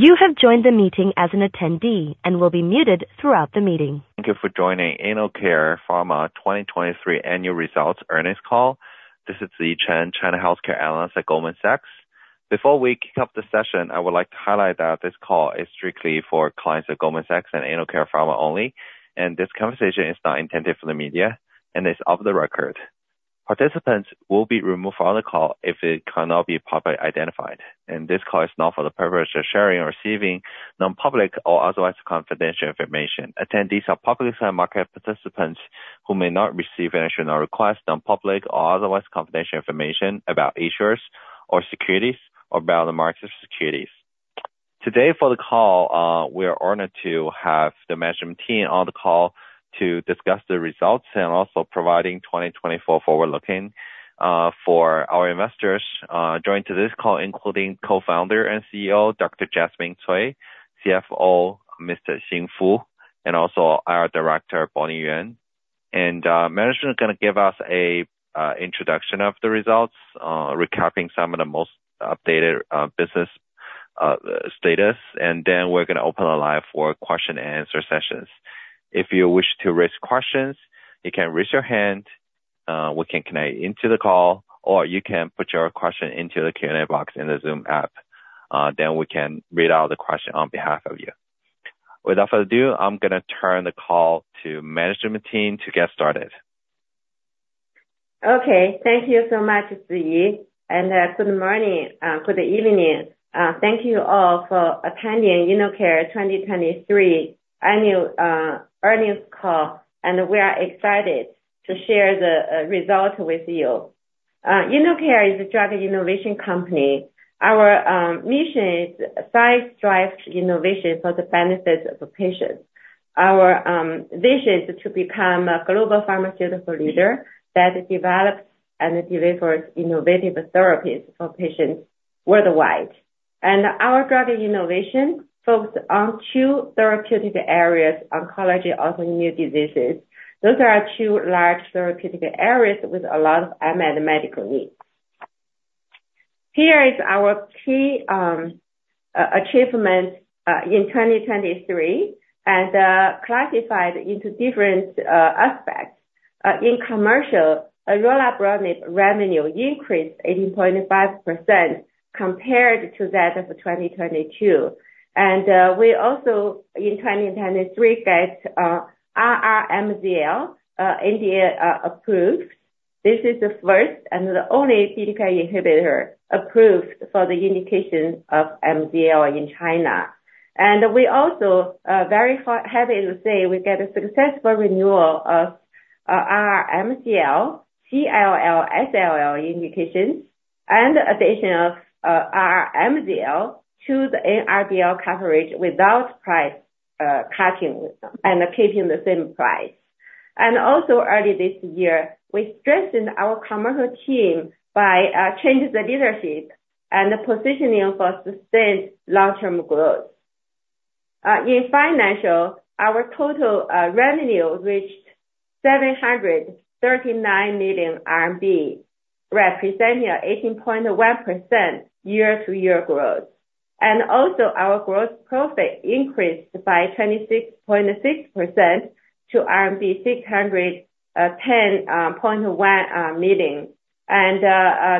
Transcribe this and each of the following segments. You have joined the meeting as an attendee and will be muted throughout the meeting. Thank you for joining InnoCare Pharma 2023 Annual Results Earnings Call. This is Ziyi Chen, China Healthcare Analyst at Goldman Sachs. Before we kick off the session, I would like to highlight that this call is strictly for clients of Goldman Sachs and InnoCare Pharma only, and this conversation is not intended for the media and is off the record. Participants will be removed from the call if they cannot be properly identified, and this call is not for the purpose of sharing or receiving non-public or otherwise confidential information. Attendees are publicly and market participants who may not receive, initiate, or request non-public or otherwise confidential information about issuers or securities, or about the market securities. Today, for the call, we are honored to have the management team on the call to discuss the results and also providing 2024 forward-looking, for our investors, joined to this call, including Co-founder and CEO, Dr. Jasmine Cui, CFO, Mr. Xin Fu, and also our Director, Bonnie Ren. Management is gonna give us a introduction of the results, recapping some of the most updated business status, and then we're gonna open a live for question and answer sessions. If you wish to raise questions, you can raise your hand, we can connect you into the call, or you can put your question into the Q&A box in the Zoom app, then we can read out the question on behalf of you. Without further ado, I'm gonna turn the call to management team to get started. Okay. Thank you so much, Ziyi, and good morning, good evening. Thank you all for attending InnoCare 2023 Annual Earnings Call, and we are excited to share the results with you. InnoCare is a drug innovation company. Our mission is science-driven innovation for the benefit of the patients. Our vision is to become a global pharmaceutical leader that develops and delivers innovative therapies for patients worldwide. And our drug innovation focus on two therapeutic areas, oncology, autoimmune diseases. Those are two large therapeutic areas with a lot of unmet medical needs. Here is our key achievements in 2023, and classified into different aspects. In commercial, orelabrutinib revenue increased 18.5% compared to that of 2022. And we also, in 2023, get RR-MZL NDA approved. This is the first and the only PD-L1 inhibitor approved for the indication of MZL in China. We also very happy to say we get a successful renewal of RR-MCL, CLL/SLL indication, and additional RR-MZL to the NRDL coverage without price cutting, and keeping the same price. Also, early this year, we strengthened our commercial team by changing the leadership and the positioning for sustained long-term growth. In financial, our total revenue reached 739 million RMB, representing 18.1% year-over-year growth. Also, our gross profit increased by 26.6% to RMB 610.1 million.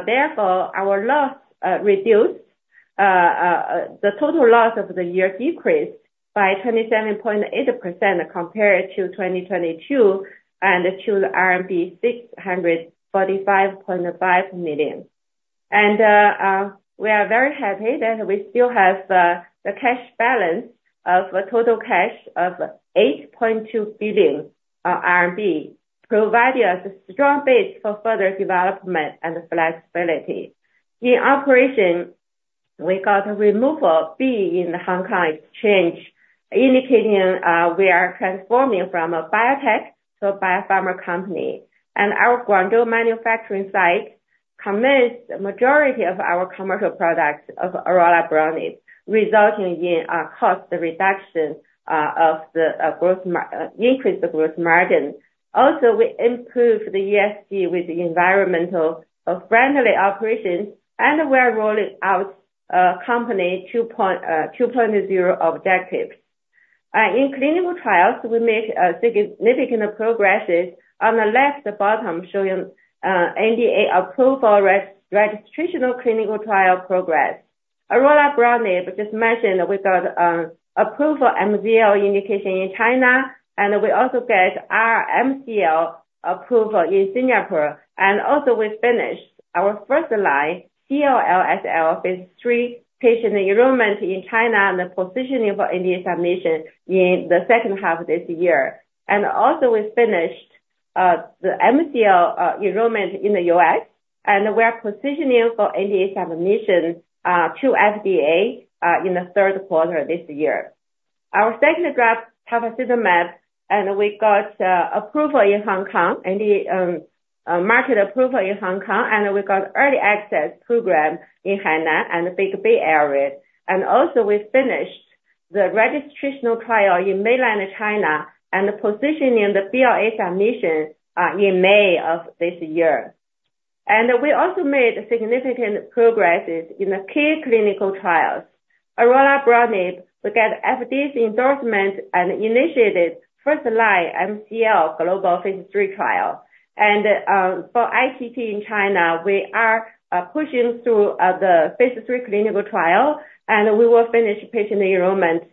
Therefore, our loss reduced, the total loss of the year decreased by 27.8% compared to 2022, and to RMB 645.5 million. And, we are very happy that we still have the cash balance of a total cash of 8.2 billion RMB, providing us a strong base for further development and flexibility. In operation, we got a removal of the 'B' in the Hong Kong Exchange, indicating we are transforming from a biotech to a biopharma company. And our Guangzhou manufacturing site commits the majority of our commercial products of orelabrutinib, resulting in a cost reduction of the gross margin increase. Also, we improved the ESG with environmental friendly operations, and we're rolling out company 2.0 objectives. In clinical trials, we made a significant progress. On the left bottom, showing NDA approval, registrational clinical trial progress. orelabrutinib, just mentioned, we got approval MZL indication in China, and we also get RR-MCL approval in Singapore. We finished our first-line CLL/SLL phase III patient enrollment in China, and the positioning for NDA submission in the second half of this year. We finished the MCL enrollment in the U.S., and we are positioning for NDA submission to FDA in the third quarter of this year. Our second graph, tafasitamab, and we got approval in Hong Kong, and the market approval in Hong Kong, and we got early access program in Hainan and the Greater Bay Area. Also, we finished the registrational trial in Mainland China and positioning the BLA submission in May of this year. We also made significant progress in the key clinical trials. orelabrutinib, we get FDA's endorsement and initiated first-line MCL global phase 3 trial. For ICP-248 in China, we are pushing through the phase 3 clinical trial, and we will finish patient enrollment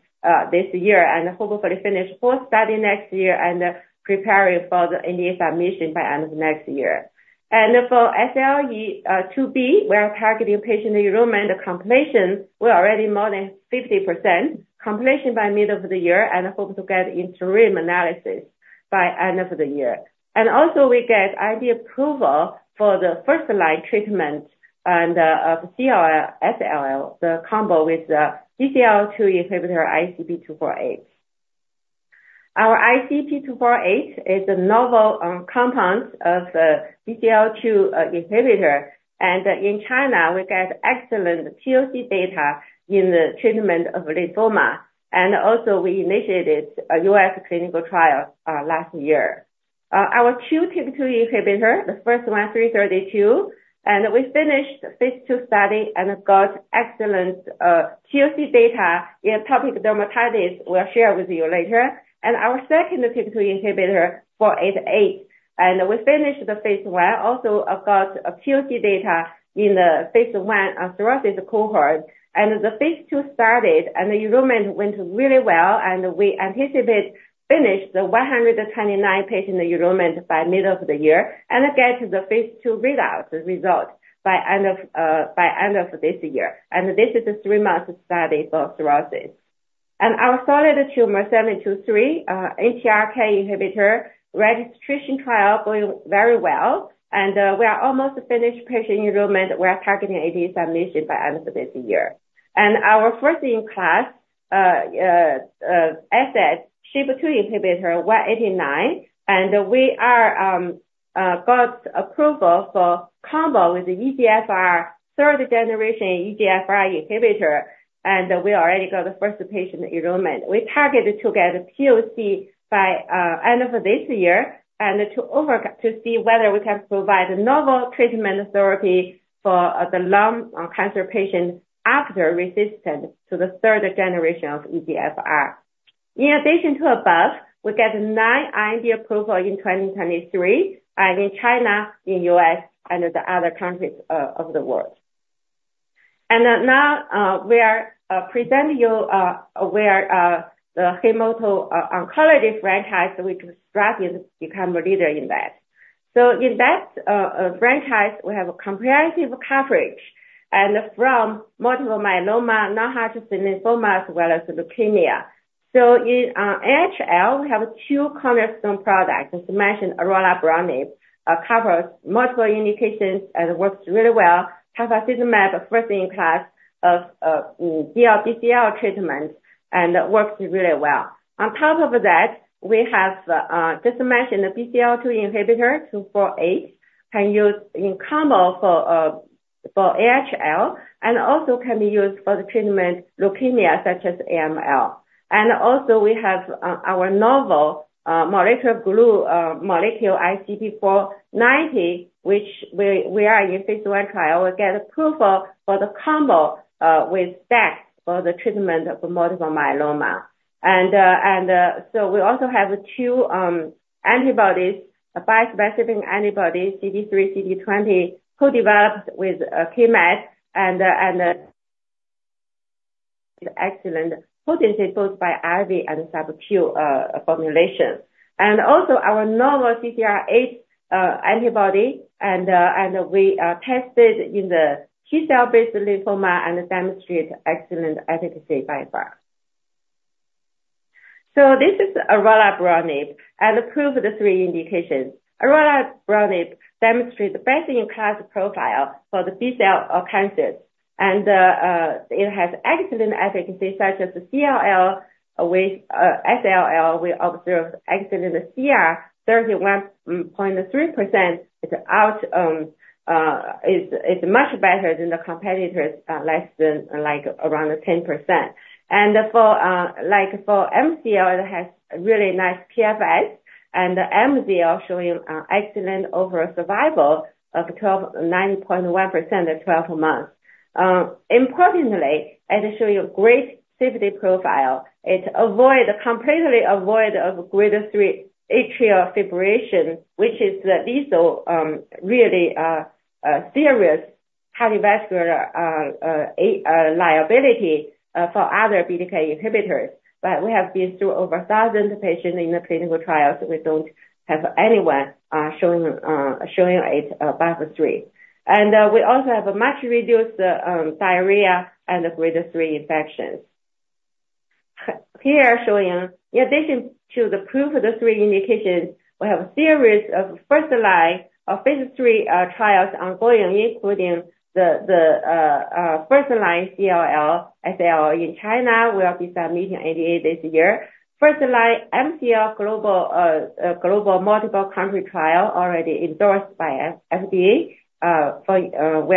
this year, and hopefully finish full study next year and prepare it for the NDA submission by end of next year. For SLE, ICP-332, we are targeting patient enrollment completion. We're already more than 50% completion by mid-year, and hope to get interim analysis by end of the year. Also we get IND approval for the first-line treatment of CLL, SLL, the combo with the BCL-2 inhibitor ICP-248. Our ICP-248 is a novel compound of the BCL-2 inhibitor, and in China, we get excellent POC data in the treatment of lymphoma, and also we initiated a U.S. clinical trial last year. Our TYK2 inhibitor, the first one, ICP-332, and we finished phase 2 study and got excellent POC data in atopic dermatitis we'll share with you later. And our second TYK2 inhibitor, ICP-488, and we finished the phase 1, also got a POC data in the phase 1 of psoriasis cohort, and the phase 2 started, and the enrollment went really well, and we anticipate finish the 129 patient enrollment by middle of the year and get the phase 2 readouts, result by end of this year. And this is a 3-month study for psoriasis. Our solid tumor ICP-723 NTRK inhibitor registration trial is going very well, and we are almost finished patient enrollment. We are targeting NDA submission by end of this year. Our first-in-class asset, SHP2 inhibitor ICP-189, and we got approval for combo with the EGFR, third-generation EGFR inhibitor, and we already got the first patient enrollment. We targeted to get a POC by end of this year and to see whether we can provide novel treatment therapy for the lung cancer patients after resistant to the third generation of EGFR. In addition to above, we got 9 IND approvals in 2023, and in China, in U.S. and the other countries of the world. And now, we are presenting you where the hemato-oncology franchise we can strive to become a leader in that. So in that franchise, we have a comprehensive coverage from multiple myeloma, non-Hodgkin lymphoma, as well as leukemia. So in AML, we have two cornerstone products. As mentioned, orelabrutinib covers multiple indications and works really well. tafasitamab, first in class of DLBCL treatment, and it works really well. On top of that, we have just mentioned the BCL-2 inhibitor, 248, can use in combo for AML and also can be used for the treatment leukemia, such as AML. And also we have our novel molecular glue molecule ICP-490, which we are in phase 1 trial. We get approval for the combo with that for the treatment of multiple myeloma. And so we also have two antibodies, a bispecific antibody, CD3/CD20, co-developed with Keymed, and an excellent potency, both by IV and subQ formulation. And also our novel CCR8 antibody, and we tested in the T-cell based lymphoma and demonstrate excellent efficacy by far. So this is orelabrutinib approved for the three indications. orelabrutinib demonstrates the best-in-class profile for the B-cell cancers, and it has excellent efficacy, such as the CLL/SLL. We observe excellent CR 31.3% is out, is much better than the competitors, less than, like, around 10%. For MCL, it has really nice PFS, and MCL showing excellent overall survival of 91% at 12 months. Importantly, it show you great safety profile. It avoid, completely avoid of grade 3 atrial fibrillation, which is the lethal, really serious cardiovascular liability for other BTK inhibitors. But we have been through over 1,000 patients in the clinical trials. We don't have anyone showing it above 3. And we also have a much reduced diarrhea and grade 3 infections. Here showing, in addition to the proof of the three indications, we have a series of first in line, of phase 3 trials ongoing, including the first-line CLL, SLL in China. We will be submitting NDA this year. First-line MCL global multiple country trial already endorsed by FDA. We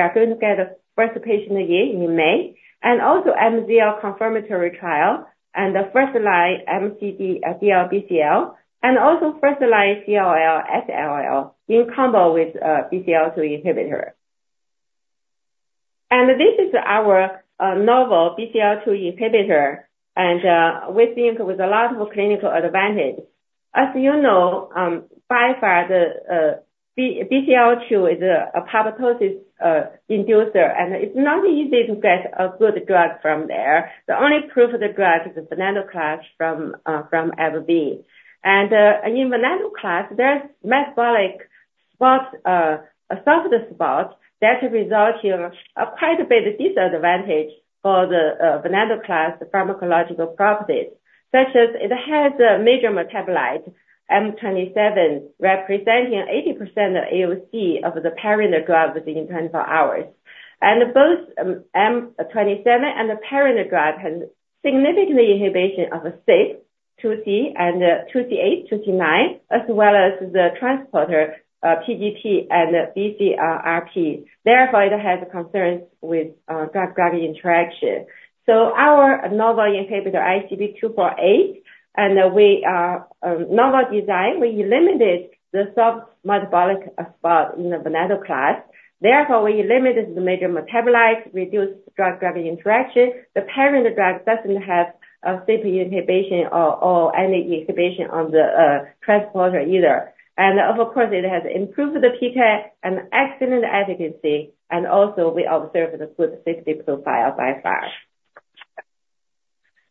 are going to get the first patient in May, and also MCL confirmatory trial, and the first-line MCL, DLBCL, and also first-line CLL/SLL in combo with BCL-2 inhibitor. And this is our novel BCL-2 inhibitor, and we think with a lot of clinical advantage. As you know, by far the BCL-2 is a apoptosis inducer, and it's not easy to get a good drug from there. The only proof of the drug is venetoclax from AbbVie. In venetoclax, there's metabolic spots, soft spots that result in quite a bit disadvantage for the venetoclax pharmacological properties, such as it has a major metabolite, M27, representing 80% of AUC of the parent drug within 24 hours. And both M27 and the parent drug has significant inhibition of CYP2C8 and CYP2C9, as well as the transporter, PGP and BCRP. Therefore, it has concerns with drug-drug interaction. So our novel inhibitor, ICP-248, with our novel design, we eliminated the susceptible metabolic spot in the venetoclax. Therefore, we eliminated the major metabolite, reduced drug-drug interaction. The parent drug doesn't have a CYP inhibition or any inhibition on the transporter either. And of course, it has improved the PK and excellent efficacy, and also we observed a good safety profile by far.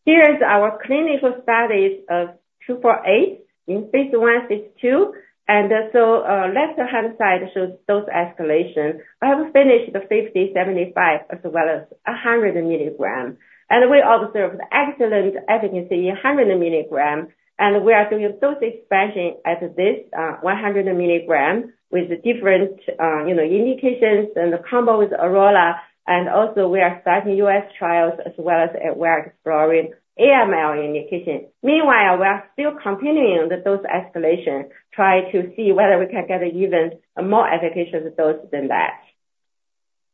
Here is our clinical studies of 248 in phase 1, phase 2, and so left-hand side shows dose escalation. I have finished the 50, 75, as well as a 100 mg, and we observed excellent efficacy in 100 mg, and we are doing dose expansion at this 100 mg with different you know indications and the combo with orelabrutinib, and also we are starting U.S. trials as well as we're exploring AML indication. Meanwhile, we are still continuing the dose escalation try to see whether we can get an even more efficacious dose than that.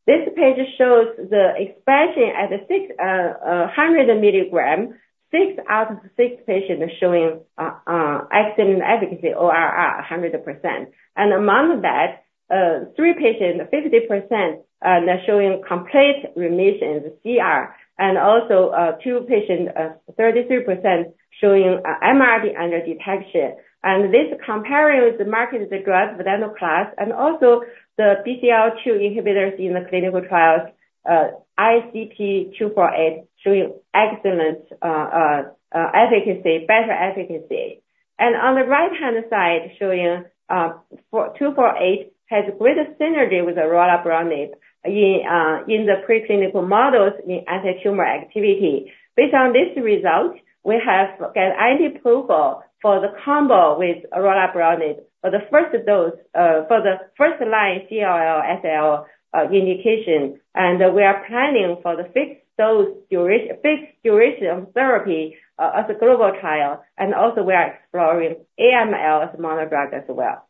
This page shows the expansion at a 600 mg, 6 out of 6 patients showing excellent efficacy, ORR 100%. Among that, three patients, 50%, they're showing complete remission, CR, and also, two patients, 33% showing, MRD undetectable. This comparing with the market, the drug, venetoclax, and also the BCL-2 inhibitors in the clinical trials, ICP-248 showing excellent efficacy, better efficacy. On the right-hand side, showing, ICP-248 has great synergy with orelabrutinib in, in the preclinical models in antitumor activity. Based on this result, we have get IND approval for the combo with orelabrutinib for the first dose, for the first line CLL/SLL, indication, and we are planning for the fixed dose durat- fixed duration therapy, as a global trial, and also we are exploring AML as a monodrug as well.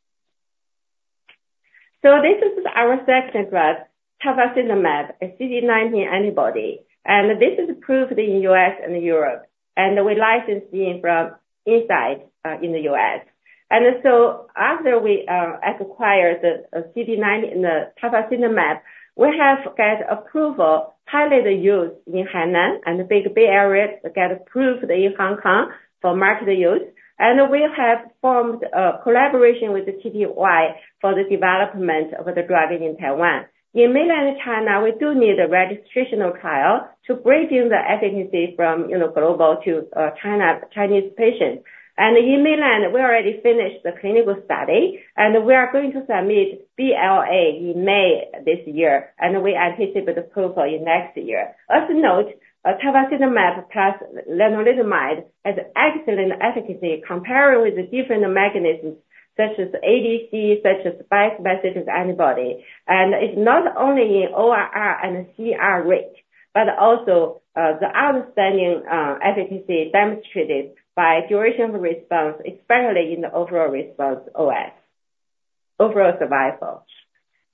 So this is our second drug, tafasitamab, a CD19 antibody, and this is approved in U.S. and Europe, and we licensed it from Incyte, in the U.S. And so after we acquired the CD19, the tafasitamab, we have get approval, highlighted use in Hainan and the Greater Bay Area, get approved in Hong Kong for market use. And we have formed a collaboration with the TTY for the development of the drug in Taiwan. In mainland China, we do need a registrational trial to bring in the efficacy from, you know, global to China, Chinese patients. And in mainland, we already finished the clinical study, and we are going to submit BLA in May this year, and we anticipate the approval in next year. Also note, tafasitamab plus lenalidomide has excellent efficacy compared with the different mechanisms such as ADC, such as bispecific antibody. And it's not only in ORR and CR rate, but also the outstanding efficacy demonstrated by duration of response, especially in the overall response, OS, overall survival.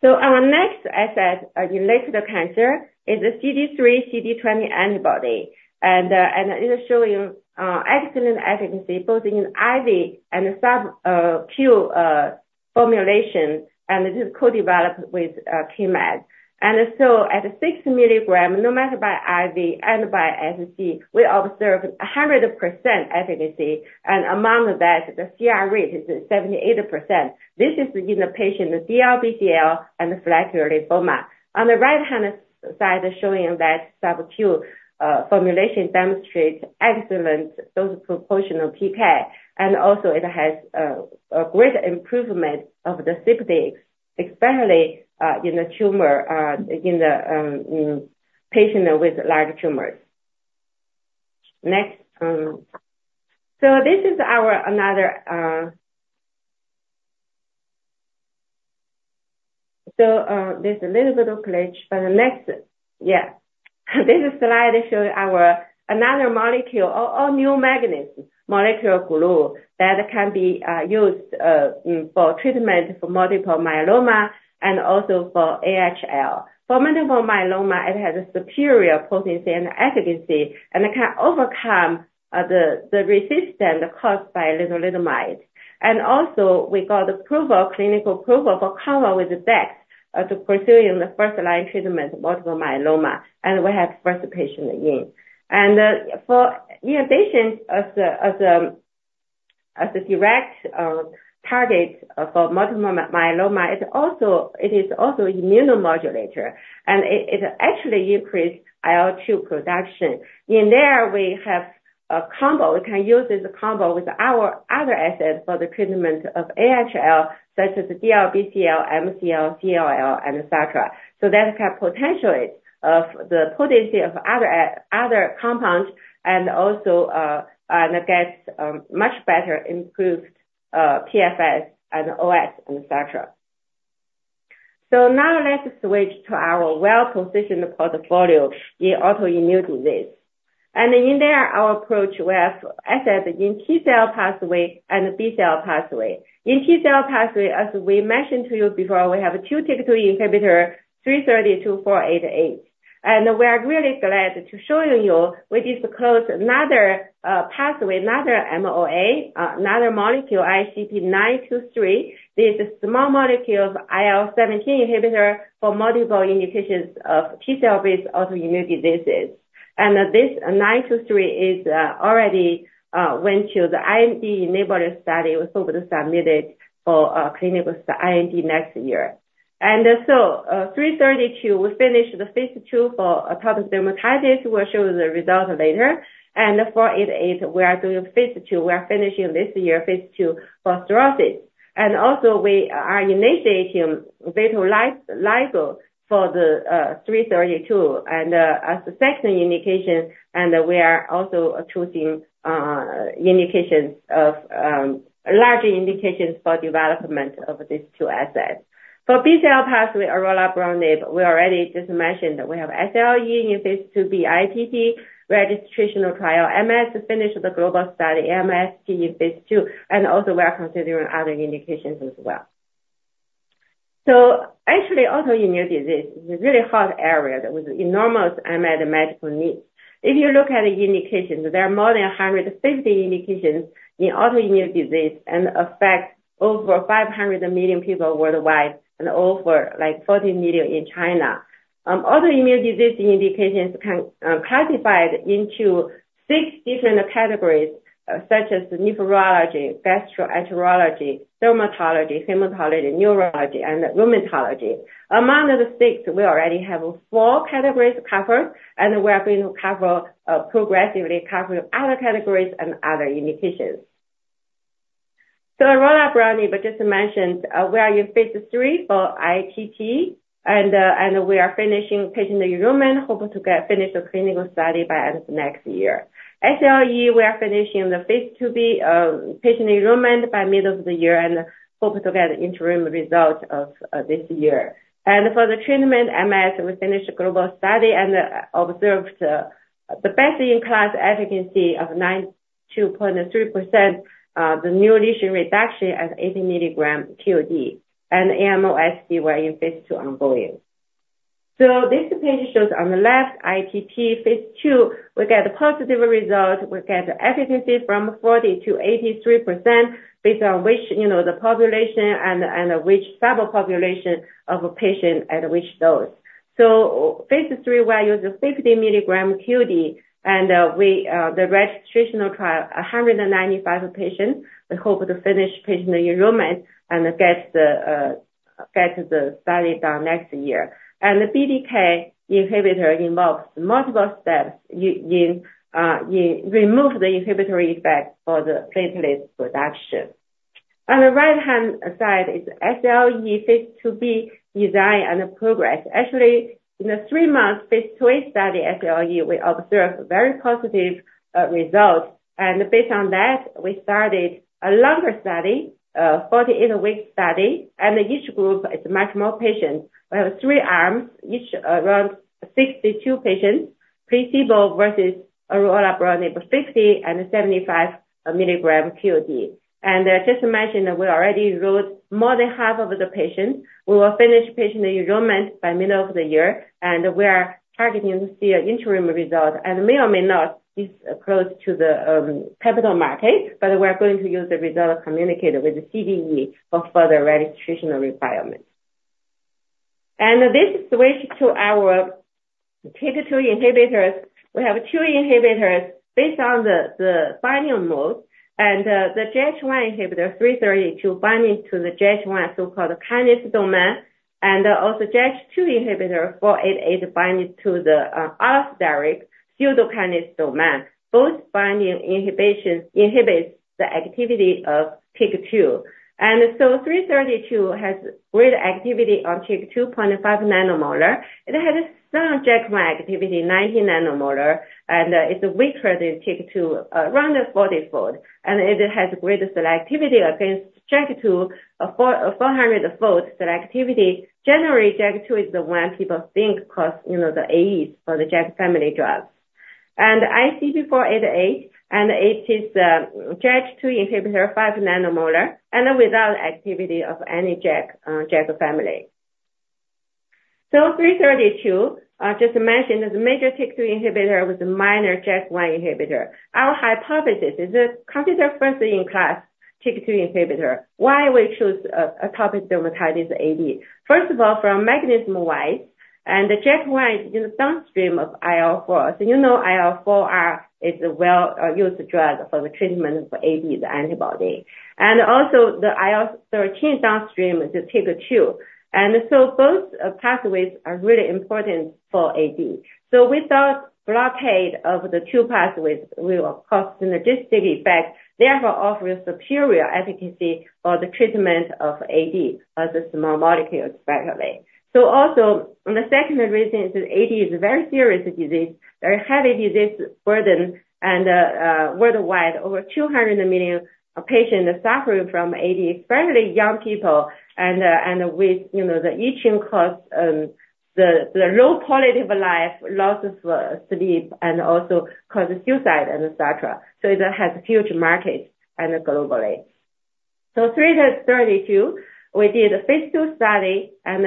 So our next asset related to cancer is the CD3/CD20 antibody. And it is showing excellent efficacy both in IV and sub-Q formulation, and it is co-developed with Keymed. And so at 6 milligram, no matter by IV and by SC, we observe 100% efficacy, and among that, the CR rate is 78%. This is in the patient, the DLBCL and follicular lymphoma. On the right-hand side, showing that sub-Q formulation demonstrates excellent dose proportional PK, and also it has a great improvement of the CDC, especially in the tumor in the patient with large tumors. Next, so this is our another. So, there's a little bit of glitch, but the next. This slide show our another molecule, a new mechanism, molecular glue, that can be used for treatment for multiple myeloma and also for AML. For multiple myeloma, it has a superior potency and efficacy, and it can overcome the resistance caused by lenalidomide. And also, we got approval, clinical approval for combo with Dex to pursuing the first line treatment, multiple myeloma, and we have first patient in. And, in addition, as a direct target for multiple myeloma, it is also immunomodulator, and it actually increased IL-2 production. In there, we have a combo. We can use as a combo with our other assets for the treatment of AML, such as DLBCL, MCL, CLL, and etc. So that have potential of the potency of other, other compounds and also, and get, much better improved, PFS and OS and etc. So now let's switch to our well-positioned portfolio in autoimmune disease. And in there, our approach, we have assets in T-cell pathway and B-cell pathway. In T-cell pathway, as we mentioned to you before, we have two TYK2 inhibitor, 332, 488. And we are really glad to showing you, we just closed another, pathway, another MOA, another molecule, ICP-488. This is a small molecule of IL-17 inhibitor for multiple indications of T-cell based autoimmune diseases. And this, ICP-488 is, already, went to the IND-enabling study. We hope to submit it for, clinical IND next year. 332, we finished the phase 2 for atopic dermatitis. We'll show the result later. 488, we are doing phase 2. We are finishing this year, phase 2 for psoriasis. And also, we are initiating IND license for the 332, as a second indication, and we are also choosing indications of larger indications for development of these two assets. For B-cell pathway, orelabrutinib, we already just mentioned that we have SLE in phase 2b, ITP, registrational trial, MS, finished the global study, and MS phase 2, and also we are considering other indications as well. Actually, autoimmune disease is a really hot area that with enormous unmet medical needs. If you look at the indications, there are more than 150 indications in autoimmune disease and affect over 500 million people worldwide and over, like, 40 million in China. Autoimmune disease indications can be classified into 6 different categories, such as nephrology, gastroenterology, dermatology, hematology, neurology, and rheumatology. Among the 6, we already have 4 categories covered, and we are going to progressively cover other categories and other indications. orelabrutinib, just to mention, we are in phase 3 for ITP, and we are finishing patient enrollment, hoping to finish the clinical study by end of next year. SLE, we are finishing the phase 2B patient enrollment by middle of the year and hope to get interim result of this year. For the treatment of MS, we finished a global study and observed the best-in-class efficacy of 92.3%, the new lesion reduction at 80 mg QD, and MS, we are in phase 2 ongoing. So this page shows on the left, ITP phase 2, we get a positive result. We get efficacy from 40%-83% based on which, you know, the population and, and which subpopulation of a patient and which dose. So phase 3, we are using 50 mg QD, and, we, the registrational trial, 195 patients. We hope to finish patient enrollment and get the study done next year. And the BTK inhibitor involves multiple steps in remove the inhibitory effect for the platelet production. On the right-hand side is SLE phase 2B design and progress. Actually, in the 3-month phase 2A study, SLE, we observed very positive results, and based on that, we started a longer study, 48-week study, and each group is much more patient. We have three arms, each around 62 patients, placebo versus orelabrutinib 50 and 75 milligram QD. And, just imagine that we already enrolled more than half of the patients. We will finish patient enrollment by middle of the year, and we are targeting to see an interim result and may or may not be close to the capital market, but we are going to use the result communicated with the CDE for further registrational requirements. And this switch to our TYK2 inhibitors. We have two inhibitors based on the binding mode, and the JAK1 inhibitor, ICP-332, binding to the JAK1 so-called kinase domain, and also JAK2 inhibitor, ICP-488, binding to the allosteric pseudo-kinase domain. Both binding inhibitions inhibits the activity of TYK2. And so ICP-332 has great activity on TYK2 0.5 nanomolar. It has some JAK1 activity, 90 nanomolar, and it's weaker than TYK2 around 40-fold, and it has greater selectivity against JAK2 400-fold selectivity. Generally, JAK2 is the one people think cause, you know, the AEs for the JAK family drugs. And ICP-488, and it is a JAK2 inhibitor, 5 nanomolar, and without activity of any JAK JAK family. So ICP-332, just to mention, is a major TYK2 inhibitor with a minor JAK1 inhibitor. Our hypothesis is a potentially first-in-class TYK2 inhibitor. Why we choose atopic dermatitis AD? First of all, from mechanism wise, and the JAK1 is downstream of IL-4. So you know IL-4R is a well used drug for the treatment of AD, the antibody. And also the IL-13 downstream is the TYK2. And so both pathways are really important for AD. So we thought blockade of the two pathways will cause synergistic effect, therefore offer superior efficacy for the treatment of AD, as a small molecule especially. So also, and the second reason is that AD is a very serious disease, very heavy disease burden, and worldwide, over 200 million patients are suffering from AD, especially young people, and with, you know, the itching cause the low quality of life, loss of sleep, and also cause suicide and etc. So it has huge markets and globally. So ICP-332, we did a phase 2 study and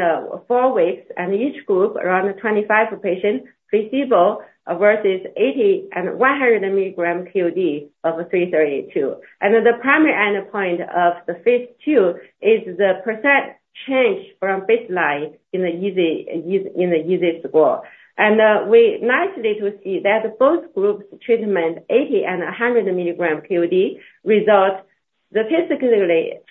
4 weeks, and each group, around 25 patients, placebo versus 80 and 100 milligram QOD of ICP-332. And the primary endpoint of the phase 2 is the % change from baseline in the EASI score. And we nicely to see that both groups treatment, 80 and 100 milligram QOD, result statistically highly statistically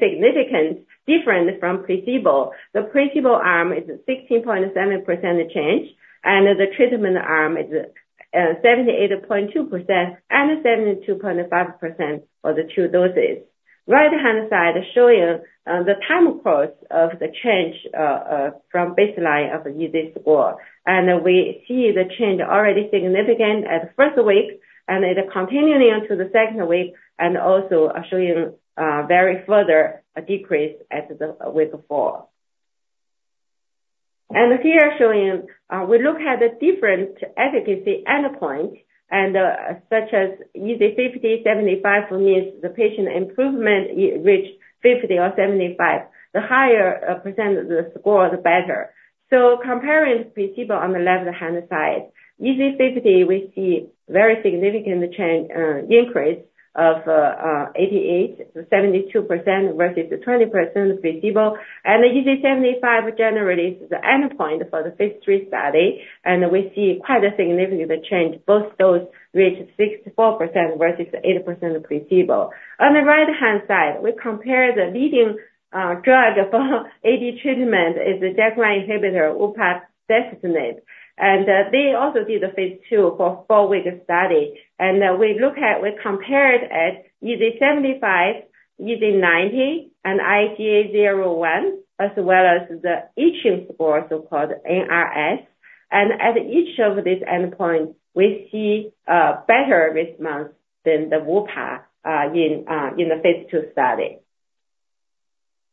significant different from placebo. The placebo arm is 16.7% change, and the treatment arm is 78.2% and 72.5% for the two doses. Right-hand side shows you the time course of the change from baseline of EASI score. And we see the change already significant at the first week, and it is continuing on to the second week, and also showing very further decrease at the week four. And here showing we look at the different efficacy endpoint and such as EASI 50, 75 means the patient improvement reached 50 or 75. The higher percent the score, the better. So comparing placebo on the left-hand side, EASI 50, we see very significant change increase of 88, 72% versus the 20% placebo. EASI-75 generates the endpoint for the phase 3 study, and we see quite a significant change. Both those reached 64% versus 8% placebo. On the right-hand side, we compare the leading drug for AD treatment is the JAK1 inhibitor, upadacitinib, and they also did a phase 2 for 4-week study. We compared it at EASI-75, EASI-90, and IGA 0/1, as well as the itching score, so-called NRS. And at each of these endpoints, we see better response than the Upa in the phase 2 study.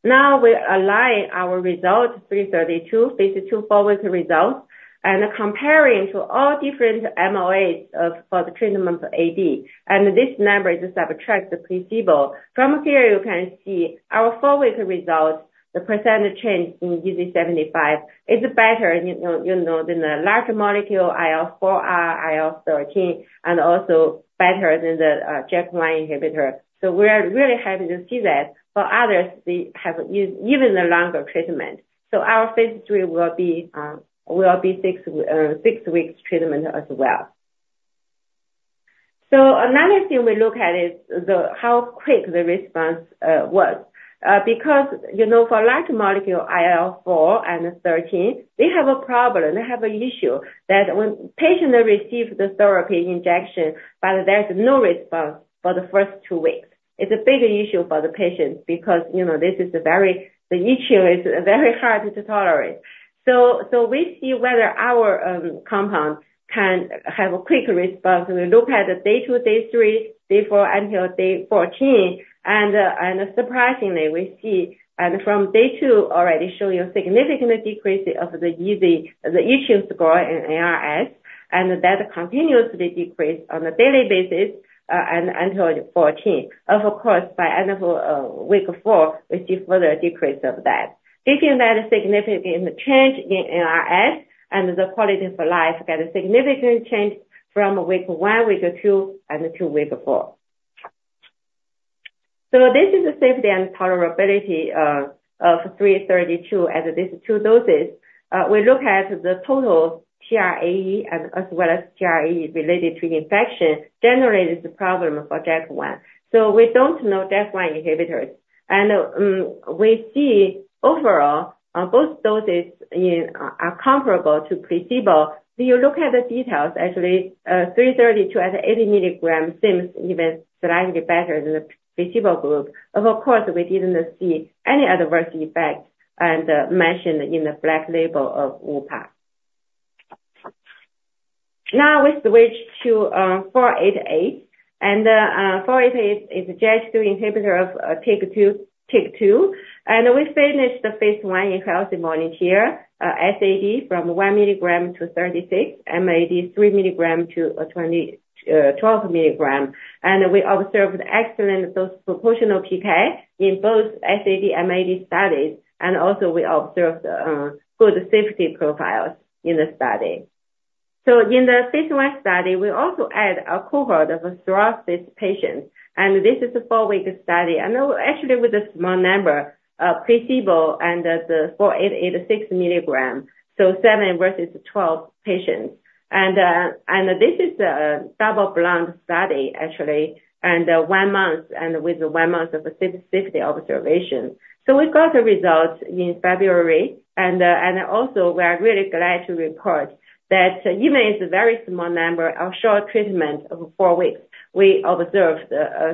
Now, we align our result, ICP-332, phase 2, 4-week results, and comparing to all different MOAs for the treatment of AD. And this number is subtract the placebo. From here, you can see our 4-week results, the percentage change in EASI-75 is better, you know, you know, than the large molecule IL-4, IL-13, and also better than the JAK1 inhibitor. So we're really happy to see that. For others, they have even a longer treatment. So our phase 3 will be 6 weeks treatment as well. So another thing we look at is how quick the response was. Because, you know, for large molecule IL-4 and IL-13, they have a problem, they have an issue, that when patients receive the therapy injection, but there is no response for the first 2 weeks. It's a big issue for the patients because, you know, this is a very, the itching is very hard to tolerate. So we see whether our compound can have a quick response. We look at day 2, day 3, day 4, until day 14, and, and surprisingly, we see, and from day 2 already show you a significant decrease of the EASI, the itching score in NRS, and that continuously decrease on a daily basis, and until the 14th. Of course, by end of, week 4, we see further decrease of that. This is a significant change in NRS, and the quality of life got a significant change from week 1, week 2, and to week 4. So this is the safety and tolerability, of 332 at these 2 doses. We look at the total TRAE as, as well as TRAE related to infection, generally it's a problem for JAK1. So we don't know JAK1 inhibitors. And, we see overall, both doses in, are comparable to placebo. So you look at the details, actually, ICP-332 at 80 mg seems even slightly better than the placebo group. Of course, we didn't see any adverse effects and mentioned in the black box label of Upa. Now, we switch to ICP-488, and ICP-488 is a JAK2 inhibitor of TYK2, TYK2. And we finished the phase 1 in healthy volunteers, SAD from 1 mg to 36 mg, MAD 3 mg to 12 mg. And we observed excellent dose proportional PK in both SAD/MAD studies, and also we observed good safety profiles in the study. So in the phase 1 study, we also add a cohort of a psoriasis patient, and this is a 4-week study, and actually with a small number of placebo and the ICP-488 6 mg, so 7 versus 12 patients. This is a double-blind study, actually, and one month, and with one month of a specific observation. So we got the results in February, and also we are really glad to report that even it's a very small number, a short treatment of four weeks, we observed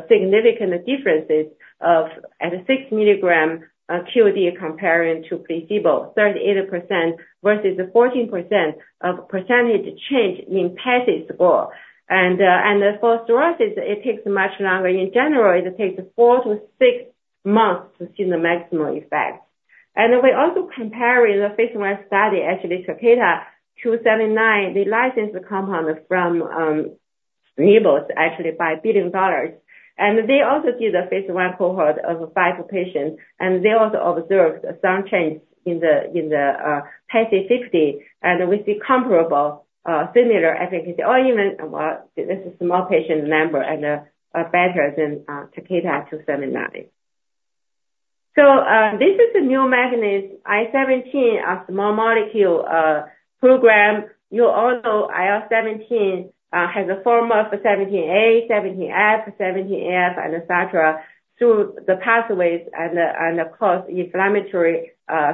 significant differences at a six milligram QD comparing to placebo, 38% versus 14% of percentage change in PASI score. And for psoriasis, it takes much longer. In general, it takes four to six months to see the maximal effect. And we also compare in the phase 1 study, actually, TAK-279, they licensed the compound from Nimbus, actually, by $1 billion. They also did a phase 1 cohort of 5 patients, and they also observed some change in the PASI 60, and we see comparable, similar efficacy or even, well, this is a small patient number and, better than TAK-279. So, this is a new mechanism, IL-17, a small molecule program. You all know IL-17 has a form of 17A, 17F, 17F, and etc, through the pathways and, of course, inflammatory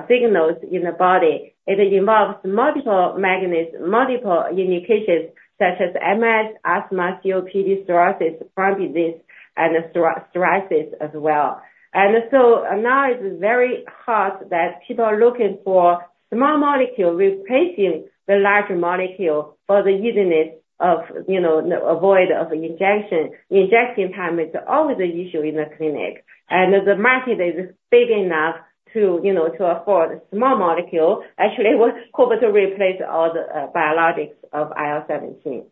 signals in the body. It involves multiple mechanisms, multiple indications such as MS, asthma, COPD, psoriasis, Crohn's disease, and psoriasis as well. So now it's very hot that people are looking for small molecule, replacing the larger molecule for the easiness of, you know, avoid of injection. Injection time is always an issue in the clinic, and the market is big enough to, you know, to afford a small molecule. Actually, we're hoping to replace all the biologics of IL-17.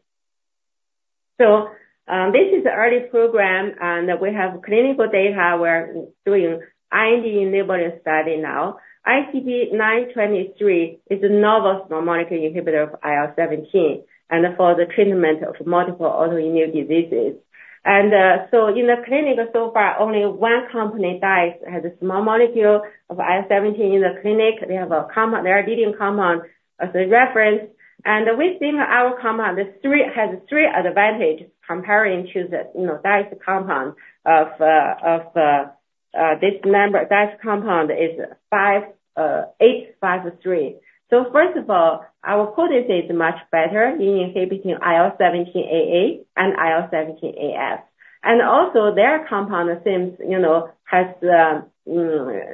So, this is an early program, and we have clinical data. We're doing IND-enabling study now. ICP-ICP-488 is a novel small molecule inhibitor of IL-17 and for the treatment of multiple autoimmune diseases. And, so in the clinical so far, only one company, Dice, has a small molecule of IL-17 in the clinic. They have a compound, they are leading compound as a reference, and we think our compound is three, has three advantage comparing to the, you know, Dice compound of this member. Dice compound is DC-853. So first of all, our potency is much better in inhibiting IL-17A and IL-17F. And also their compound seems, you know, has involvement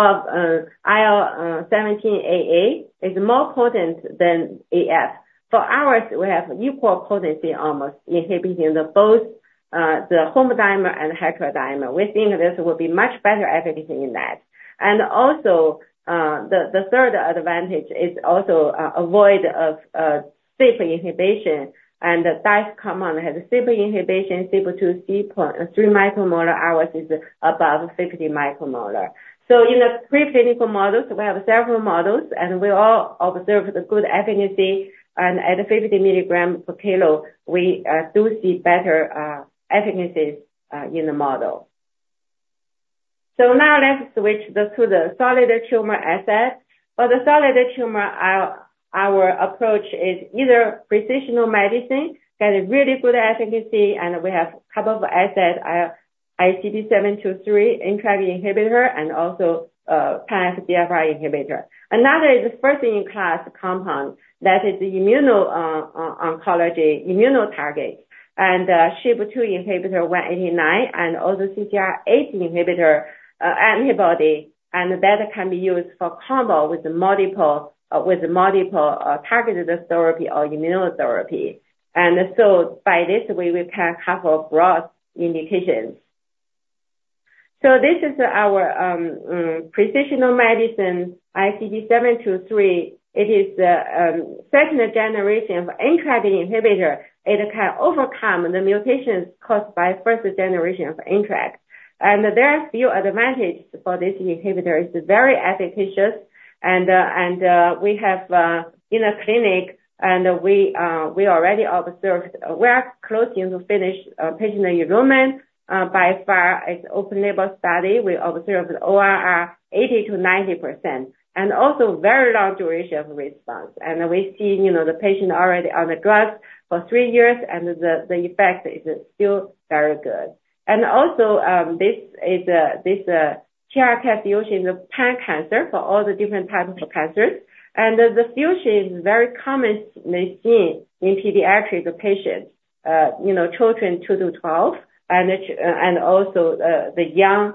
in IL-17A, which is more potent than IL-17F. For ours, we have equal potency, almost inhibiting both the homodimer and heterodimer. We think this will be much better efficacy in that. And also, the third advantage is also avoidance of CYP inhibition. And the Dice compound has a CYP inhibition, CYP2C 0.3 micromolar, ours is above 50 micromolar. So in the pre-clinical models, we have several models, and we all observe good efficacy, and at 50 milligrams per kilo, we do see better efficacy in the model. So now let's switch to the solid tumor asset. For the solid tumor, our approach is either precision medicine, that is really good efficacy, and we have couple of assets, ICP-723, NTRK inhibitor, and also, Pan-FGFR inhibitor. Another is first-in-class compound that is immuno-oncology, immuno target, and, SHP2 inhibitor 189, and also CCR8 inhibitor, antibody, and that can be used for combo with multiple, with multiple, targeted therapy or immunotherapy. And so by this, we will have a broad indications. So this is our, precision medicine, ICP-723. It is the second generation of NTRK inhibitor. It can overcome the mutations caused by first generation of NTRK. And there are a few advantages for this inhibitor. It's very efficacious and, and, we have in a clinic, and we, we already observed... We are closing to finish patient enrollment. So far, it's open-label study. We observed ORR 80%-90% and also very long duration of response. And we've seen, you know, the patient already on the drugs for three years, and the effect is still very good. And also, this is a this TRK fusion of lung cancer for all the different types of cancers. And the fusion is very commonly seen in pediatric patients, you know, children 2-12, and also the young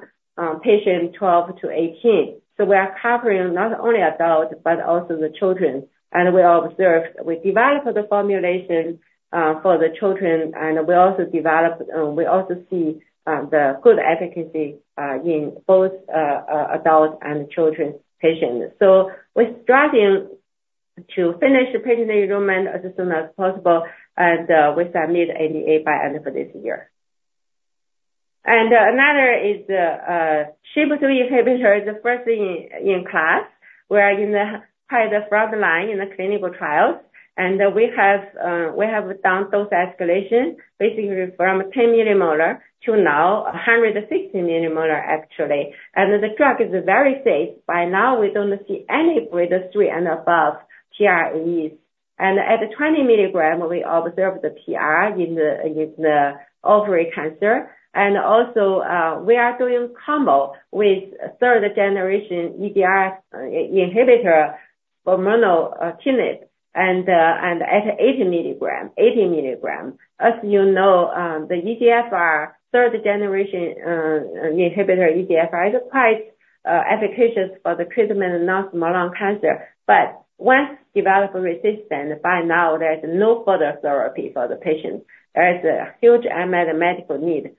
patient 12-18. So we are covering not only adults, but also the children. And we observed, we developed the formulation for the children, and we also developed we also see the good efficacy in both adult and children's patients. So we're striving to finish the patient enrollment as soon as possible, and we submit NDA by end of this year. And another is the SHP2 inhibitor, the first in class. We are in quite the frontline in the clinical trials, and we have done dose escalation, basically from 10 millimolar to now 160 millimolar, actually. And the drug is very safe. By now, we don't see any grade 3 and above TREs. And at 20 mg, we observe the PR in the ovary cancer. And also, we are doing combo with third generation EGFR inhibitor, furmonertinib, and at 80 mg, 80 mg. As you know, the EGFR third generation inhibitor EGFR is quite efficacious for the treatment of non-small cell cancer. But once developed resistance, by now there is no further therapy for the patient. There is a huge unmet medical need.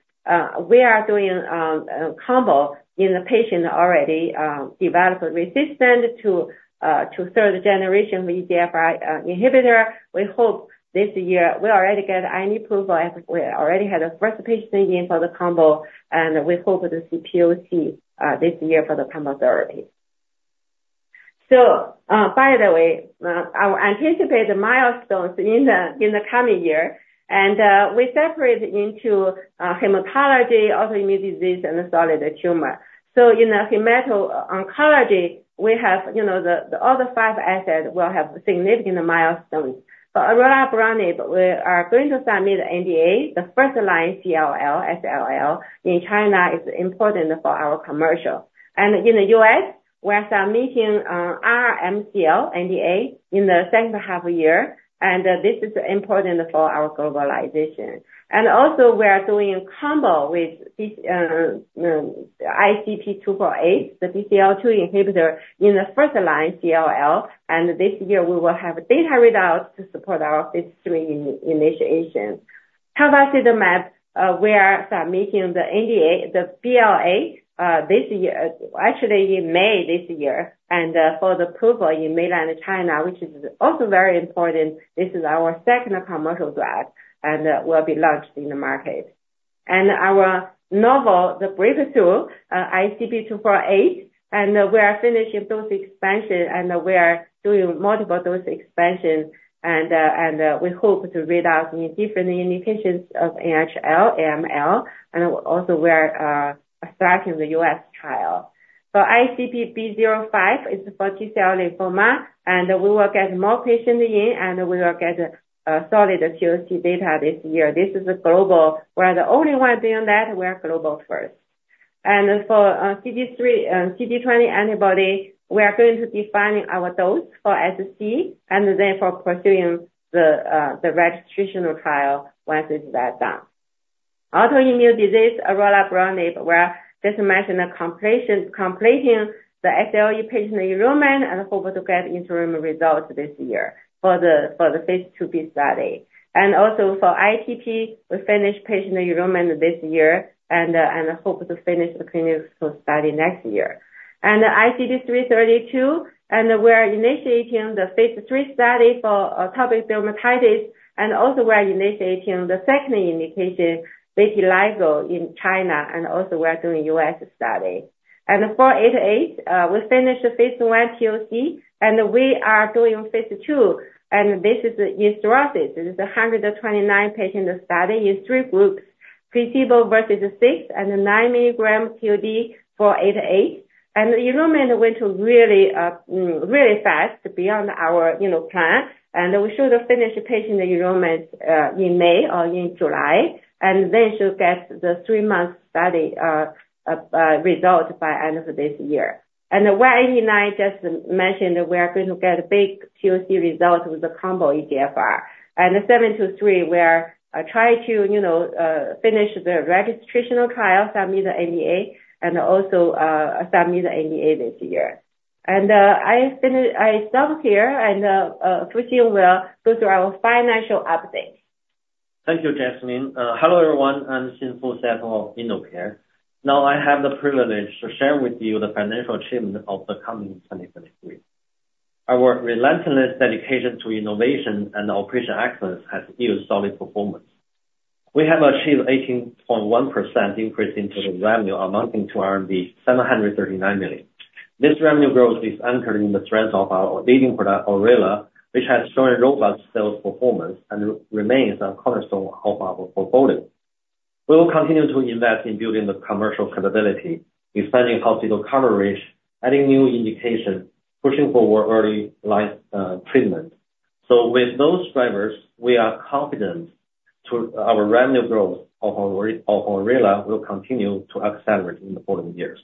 We are doing a combo in the patient already developed resistance to third-generation EGFR inhibitor. We hope this year. We already get IND approval, as we already had the first patient in for the combo, and we hope to see POC this year for the combo therapy. So, by the way, our anticipated milestones in the coming year, and we separate into hematology, autoimmune disease, and solid tumor. So in hemato-oncology, we have, you know, the other five assets will have significant milestones. For orelabrutinib, we are going to submit NDA, the first-line CLL/SLL in China is important for our commercial. In the US, we are submitting RR-MCL NDA in the second half of the year, and this is important for our globalization. And also, we are doing a combo with this ICP-248, the BCL-2 inhibitor, in the first line CLL, and this year we will have data readouts to support our phase three initiation. tafasitamab, we are submitting the NDA, the BLA, this year, actually in May this year, and for the approval in mainland China, which is also very important, this is our second commercial drug and will be launched in the market. And our novel, the BCL-2, ICP-248, and we are finishing dose expansion, and we are doing multiple dose expansion, and we hope to read out in different indications of NHL, AML, and also we are starting the US trial. So ICP-B05 is for T-cell lymphoma, and we will get more patients in, and we will get solid POC data this year. This is global. We're the only one doing that, we're global first. For CD3, CD20 antibody, we are going to be defining our dose for SC, and therefore pursuing the registrational trial once this is done. Autoimmune disease, orelabrutinib brand name, we are just about completing the SLE patient enrollment and hope to get interim results this year for the phase 2b study. Also for ITP, we finish patient enrollment this year and hope to finish the clinical study next year. And ICP-332, we are initiating the phase 3 study for atopic dermatitis, and also we are initiating the second indication, vitiligo, in China, and also we are doing U.S. study. For ICP-488, we finished the phase 1 POC, and we are doing phase 2, and this is in psoriasis. It is a 129-patient study in three groups, placebo versus 6- and 9-milligram QD, ICP-488. And enrollment went really, really fast beyond our, you know, plan. And we should finish patient enrollment in May or July, and then should get the 3-month study result by end of this year. And as I just mentioned we are going to get a big POC result with the combo EGFR. And the ICP-723, we are try to, you know, finish the registrational trial, submit the NDA, and also submit the NDA this year. And I stop here, and Xin Fu will go through our financial update. Thank you, Jasmine. Hello, everyone. I'm Xin Fu, CFO of InnoCare. Now, I have the privilege to share with you the financial achievement of the company in 2023. Our relentless dedication to innovation and operational excellence has yielded solid performance. We have achieved 18.1% increase in total revenue, amounting to 739 million. This revenue growth is anchored in the strength of our leading product, orelabrutinib, which has shown a robust sales performance and remains a cornerstone of our portfolio. We will continue to invest in building the commercial capability, expanding hospital coverage, adding new indications, pushing for more early line treatment. So with those drivers, we are confident to our revenue growth of orelabrutinib will continue to accelerate in the following years.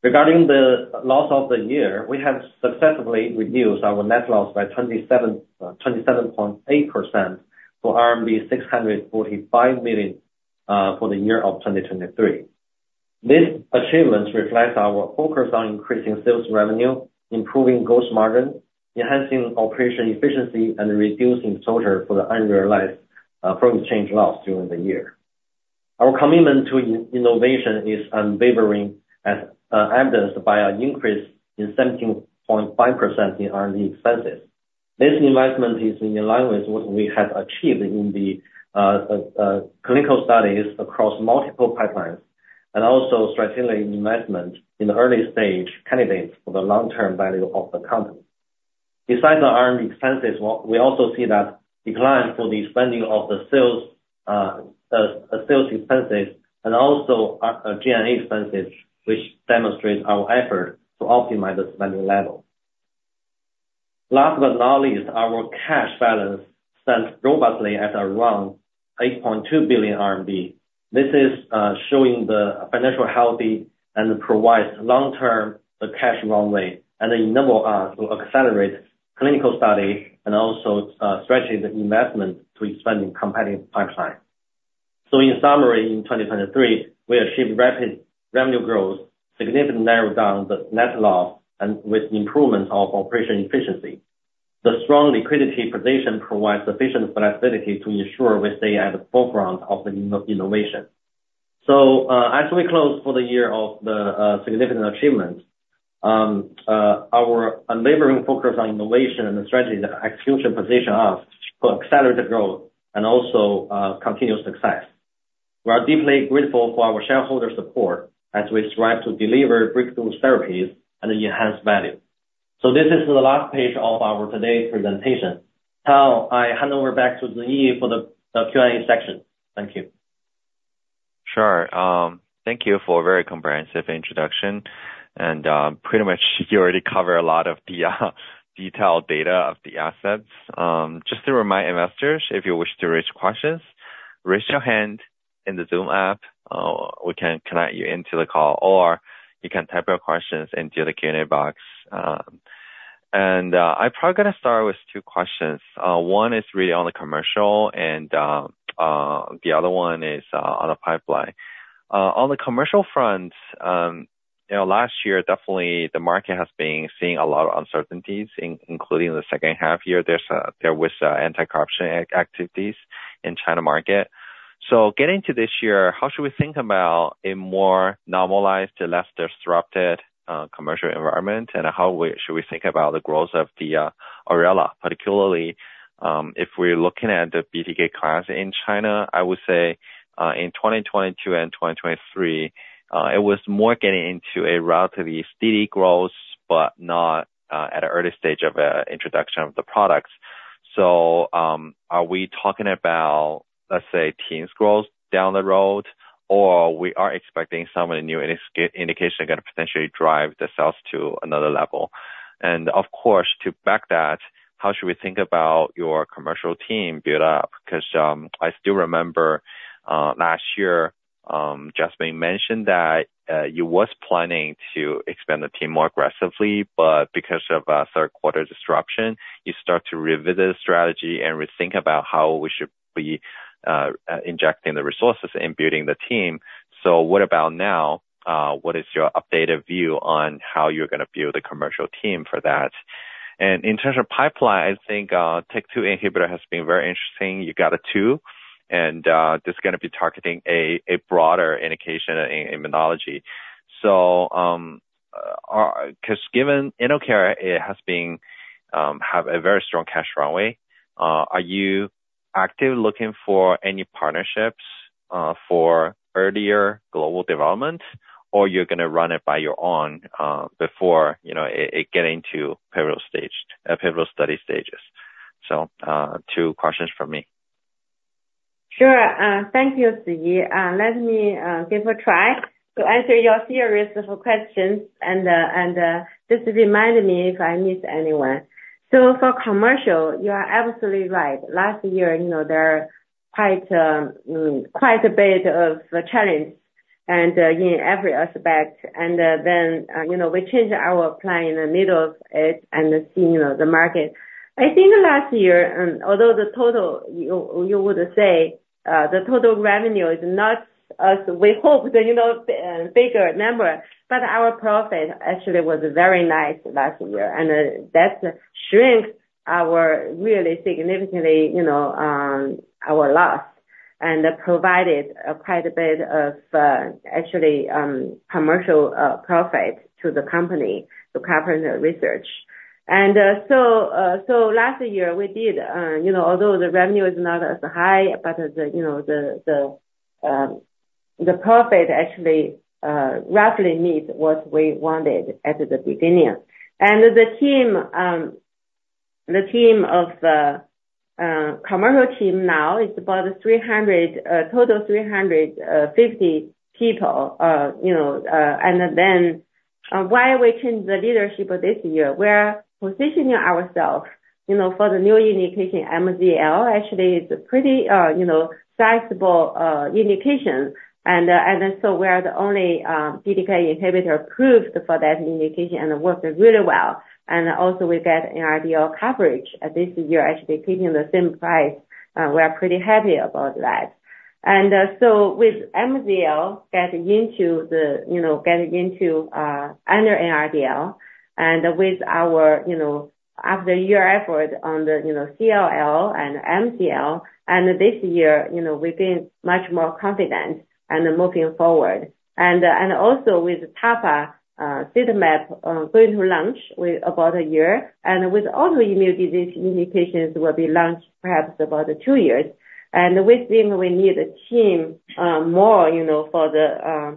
Regarding the loss of the year, we have successfully reduced our net loss by 27.8% to RMB 645 million for the year 2023. This achievement reflects our focus on increasing sales revenue, improving gross margin, enhancing operation efficiency, and reducing total for the unrealized foreign exchange loss during the year. Our commitment to innovation is unwavering and evidenced by an increase in 17.5% in our R&D expenses.... This investment is in alignment with what we have achieved in the clinical studies across multiple pipelines, and also strategically investment in the early stage candidates for the long-term value of the company. Besides the R&D expenses, we also see that decline for the spending of the sales sales expenses and also our G&A expenses, which demonstrates our effort to optimize the spending level. Last but not least, our cash balance stands robustly at around 8.2 billion RMB. This is showing the financial healthy and provides long-term the cash runway and enable us to accelerate clinical study and also strategic investment to expand in competing pipeline. So in summary, in 2023, we achieved rapid revenue growth, significantly narrowed down the net loss, and with improvement of operation efficiency. The strong liquidity position provides sufficient flexibility to ensure we stay at the forefront of the innovation. So, as we close for the year of the significant achievement, our unwavering focus on innovation and the strategy and execution position us to accelerate the growth and also continued success. We are deeply grateful for our shareholders' support as we strive to deliver breakthrough therapies and enhance value. So this is the last page of our today's presentation. Now, I hand over back to Ziyi for the Q&A section. Thank you. Sure. Thank you for a very comprehensive introduction, and, pretty much you already covered a lot of the detailed data of the assets. Just to remind investors, if you wish to raise questions, raise your hand in the Zoom app, we can connect you into the call, or you can type your questions into the Q&A box. And, I'm probably gonna start with two questions. One is really on the commercial and the other one is on the pipeline. On the commercial front, you know, last year, definitely the market has been seeing a lot of uncertainties, including the second half year. There was anti-corruption activities in China market. So getting to this year, how should we think about a more normalized, less disrupted commercial environment? And how should we think about the growth of the orelabrutinib, particularly, if we're looking at the BTK class in China? I would say, in 2022 and 2023, it was more getting into a relatively steady growth, but not at an early stage of introduction of the products. So, are we talking about, let's say, teens growth down the road, or we are expecting some of the new indications are gonna potentially drive the sales to another level? And of course, to back that, how should we think about your commercial team build up? Because I still remember last year Jasmine mentioned that you was planning to expand the team more aggressively, but because of third quarter disruption, you start to revisit the strategy and rethink about how we should be injecting the resources and building the team. So what about now? What is your updated view on how you're gonna build the commercial team for that? And in terms of pipeline, I think TYK2 inhibitor has been very interesting. You got two, and this is gonna be targeting a broader indication in immunology. So, because given InnoCare it has been have a very strong cash runway. Are you actively looking for any partnerships for earlier global development, or you're gonna run it by your own before, you know, it get into pivotal stage, pivotal study stages? So, two questions from me. Sure. Thank you, Ziyi. Let me give a try to answer your series of questions, and just remind me if I miss anyone. So for commercial, you are absolutely right. Last year, you know, there are quite a bit of a challenge and in every aspect. And then, you know, we changed our plan in the middle of it and seeing the market. I think last year, although the total, you would say, the total revenue is not as we hope, you know, bigger number, but our profit actually was very nice last year. And that shrink our really significantly, you know, our loss, and provided quite a bit of actually commercial profit to the company, to R&D research. So last year, we did, you know, although the revenue is not as high, but the, you know, the profit actually roughly meet what we wanted at the beginning. And the commercial team now is about 300, total 350 people. You know, and then, why we changed the leadership this year? We're positioning ourselves, you know, for the new indication, MZL, actually is a pretty, you know, sizable indication. And so we're the only BTK inhibitor approved for that indication and it works really well. And also we get an NRDL coverage this year, actually keeping the same price. We are pretty happy about that. So with MZL getting into the, you know, getting into under NRDL and with our, you know, year-after-year effort on the, you know, CLL and MCL, and this year, you know, we've been much more confident and moving forward. And also with tafasitamab going to launch in about 1 year, and with all the new disease indications will be launched perhaps about 2 years. And with them, we need a team more, you know, for the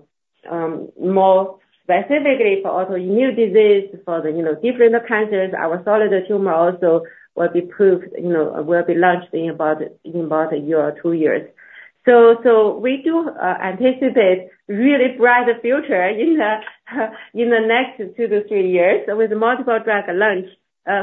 more specifically for autoimmune disease, for the, you know, different cancers, our solid tumor also will be approved, you know, will be launched in about 1 year or 2 years. So we do anticipate really bright future in the next 2-3 years with multiple drug launch.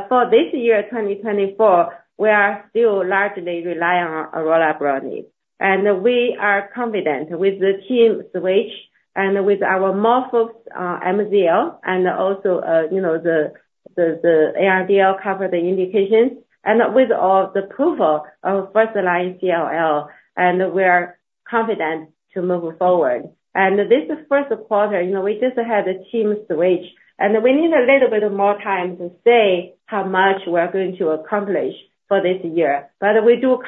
For this year, 2024, we are still largely relying on orelabrutinib, and we are confident with the team switch and with our more focused MZL and also, you know, the NRDL cover the indication and with all the approval of first line CLL, and we are confident to move forward. And this first quarter, you know, we just had a team switch, and we need a little bit of more time to say how much we are going to accomplish for this year. But we do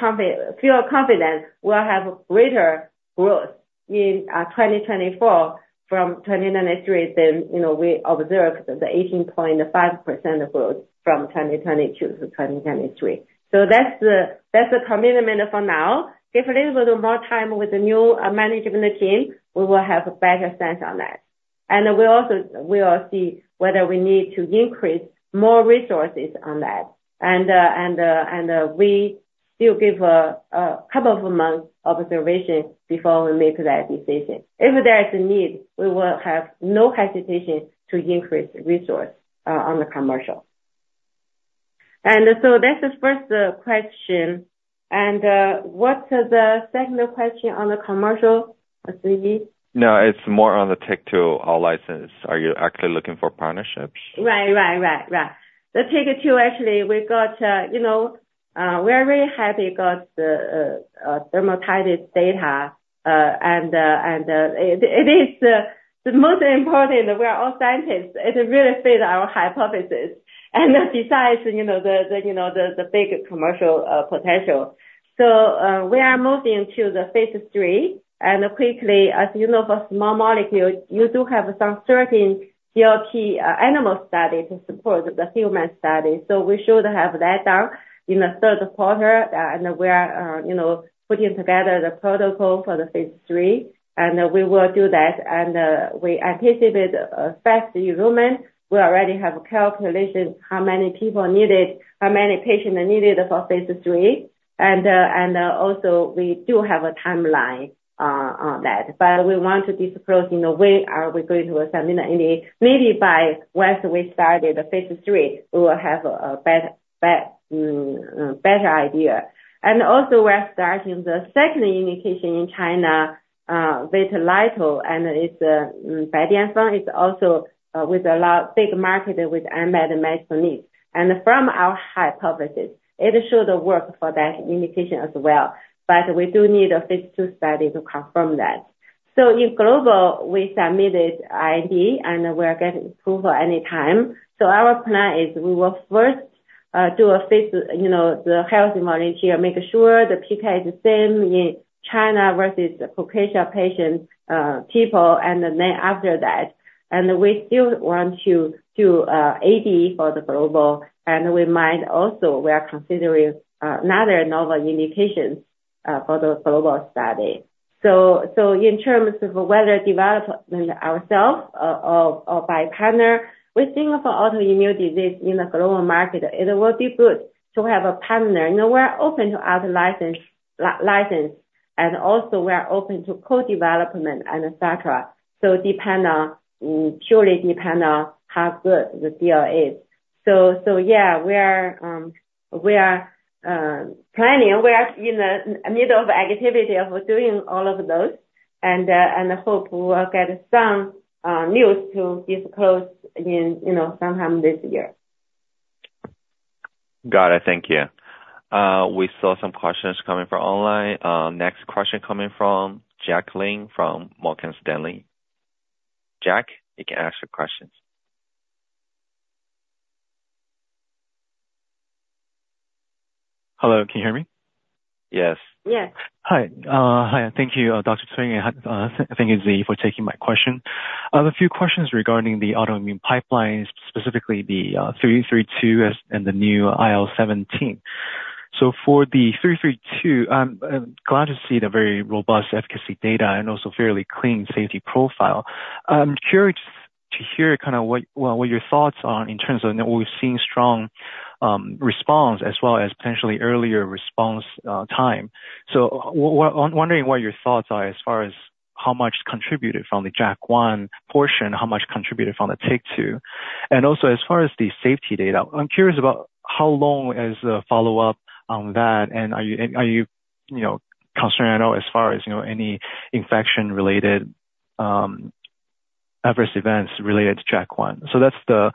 feel confident we'll have greater growth in 2024 from 2023 than, you know, we observed the 18.5% growth from 2022 to 2023. So that's the commitment for now. Give a little bit more time with the new management team, we will have a better sense on that. And we also will see whether we need to increase more resources on that. And we still give a couple of months observation before we make that decision. If there is a need, we will have no hesitation to increase resource on the commercial. And so that's the first question. And what's the second question on the commercial, Ziyi Chen? No, it's more on the takeout license. Are you actually looking for partnerships? Right, right, right, right. The TYK2, actually, we got, you know, we are very happy got the dermatitis data. And it is the most important, we are all scientists, it really fit our hypothesis. And besides, you know, the big commercial potential. So, we are moving to the phase three and quickly, as you know, for small molecule, you do have some certain GLP animal study to support the human study, so we should have that done in the third quarter. And we are, you know, putting together the protocol for the phase three, and we will do that. And we anticipate fast enrollment. We already have a calculation, how many people are needed, how many patients are needed for phase three. Also we do have a timeline on that, but we want to disclose, you know, when are we going to submit an IND. Maybe by once we started the phase three, we will have a better idea. Also we're starting the second indication in China with orelabrutinib, and it's also with a large big market with unmet medical needs. And from our hypothesis, it should work for that indication as well, but we do need a phase two study to confirm that. So in global, we submitted IND, and we're getting approval anytime. So our plan is we will first do a phase, you know, the healthy volunteer, make sure the PK is the same in China versus Caucasian patients, people, and then after that. We still want to do AD for the global, and we might also, we are considering another novel indications for the global study. So, in terms of whether development ourselves or by partner, we think of autoimmune disease in the global market, it will be good to have a partner. You know, we're open to out-license, license, and also we are open to co-development and etc. So it depend on, purely depend on how good the deal is. So, yeah, we are planning, we are in the middle of activity of doing all of those, and hope we will get some news to disclose in, you know, sometime this year. Got it. Thank you. We saw some questions coming from online. Next question coming from Jack Lin from Morgan Stanley. Jack, you can ask your questions. Hello, can you hear me? Yes. Yes. Hi, hi, thank you, Dr. Cui, and, thank you, Xin, for taking my question. I have a few questions regarding the autoimmune pipelines, specifically the ICP-332 and the new IL-17. So for the ICP-332, I'm glad to see the very robust efficacy data and also fairly clean safety profile. I'm curious to hear kind of what your thoughts are in terms of you know we're seeing strong response as well as potentially earlier response time. So wondering what your thoughts are as far as how much contributed from the JAK1 portion, how much contributed from the TYK2? And also, as far as the safety data, I'm curious about how long is the follow-up on that, and are you, you know, concerned at all as far as, you know, any infection-related adverse events related to JAK1? So that's the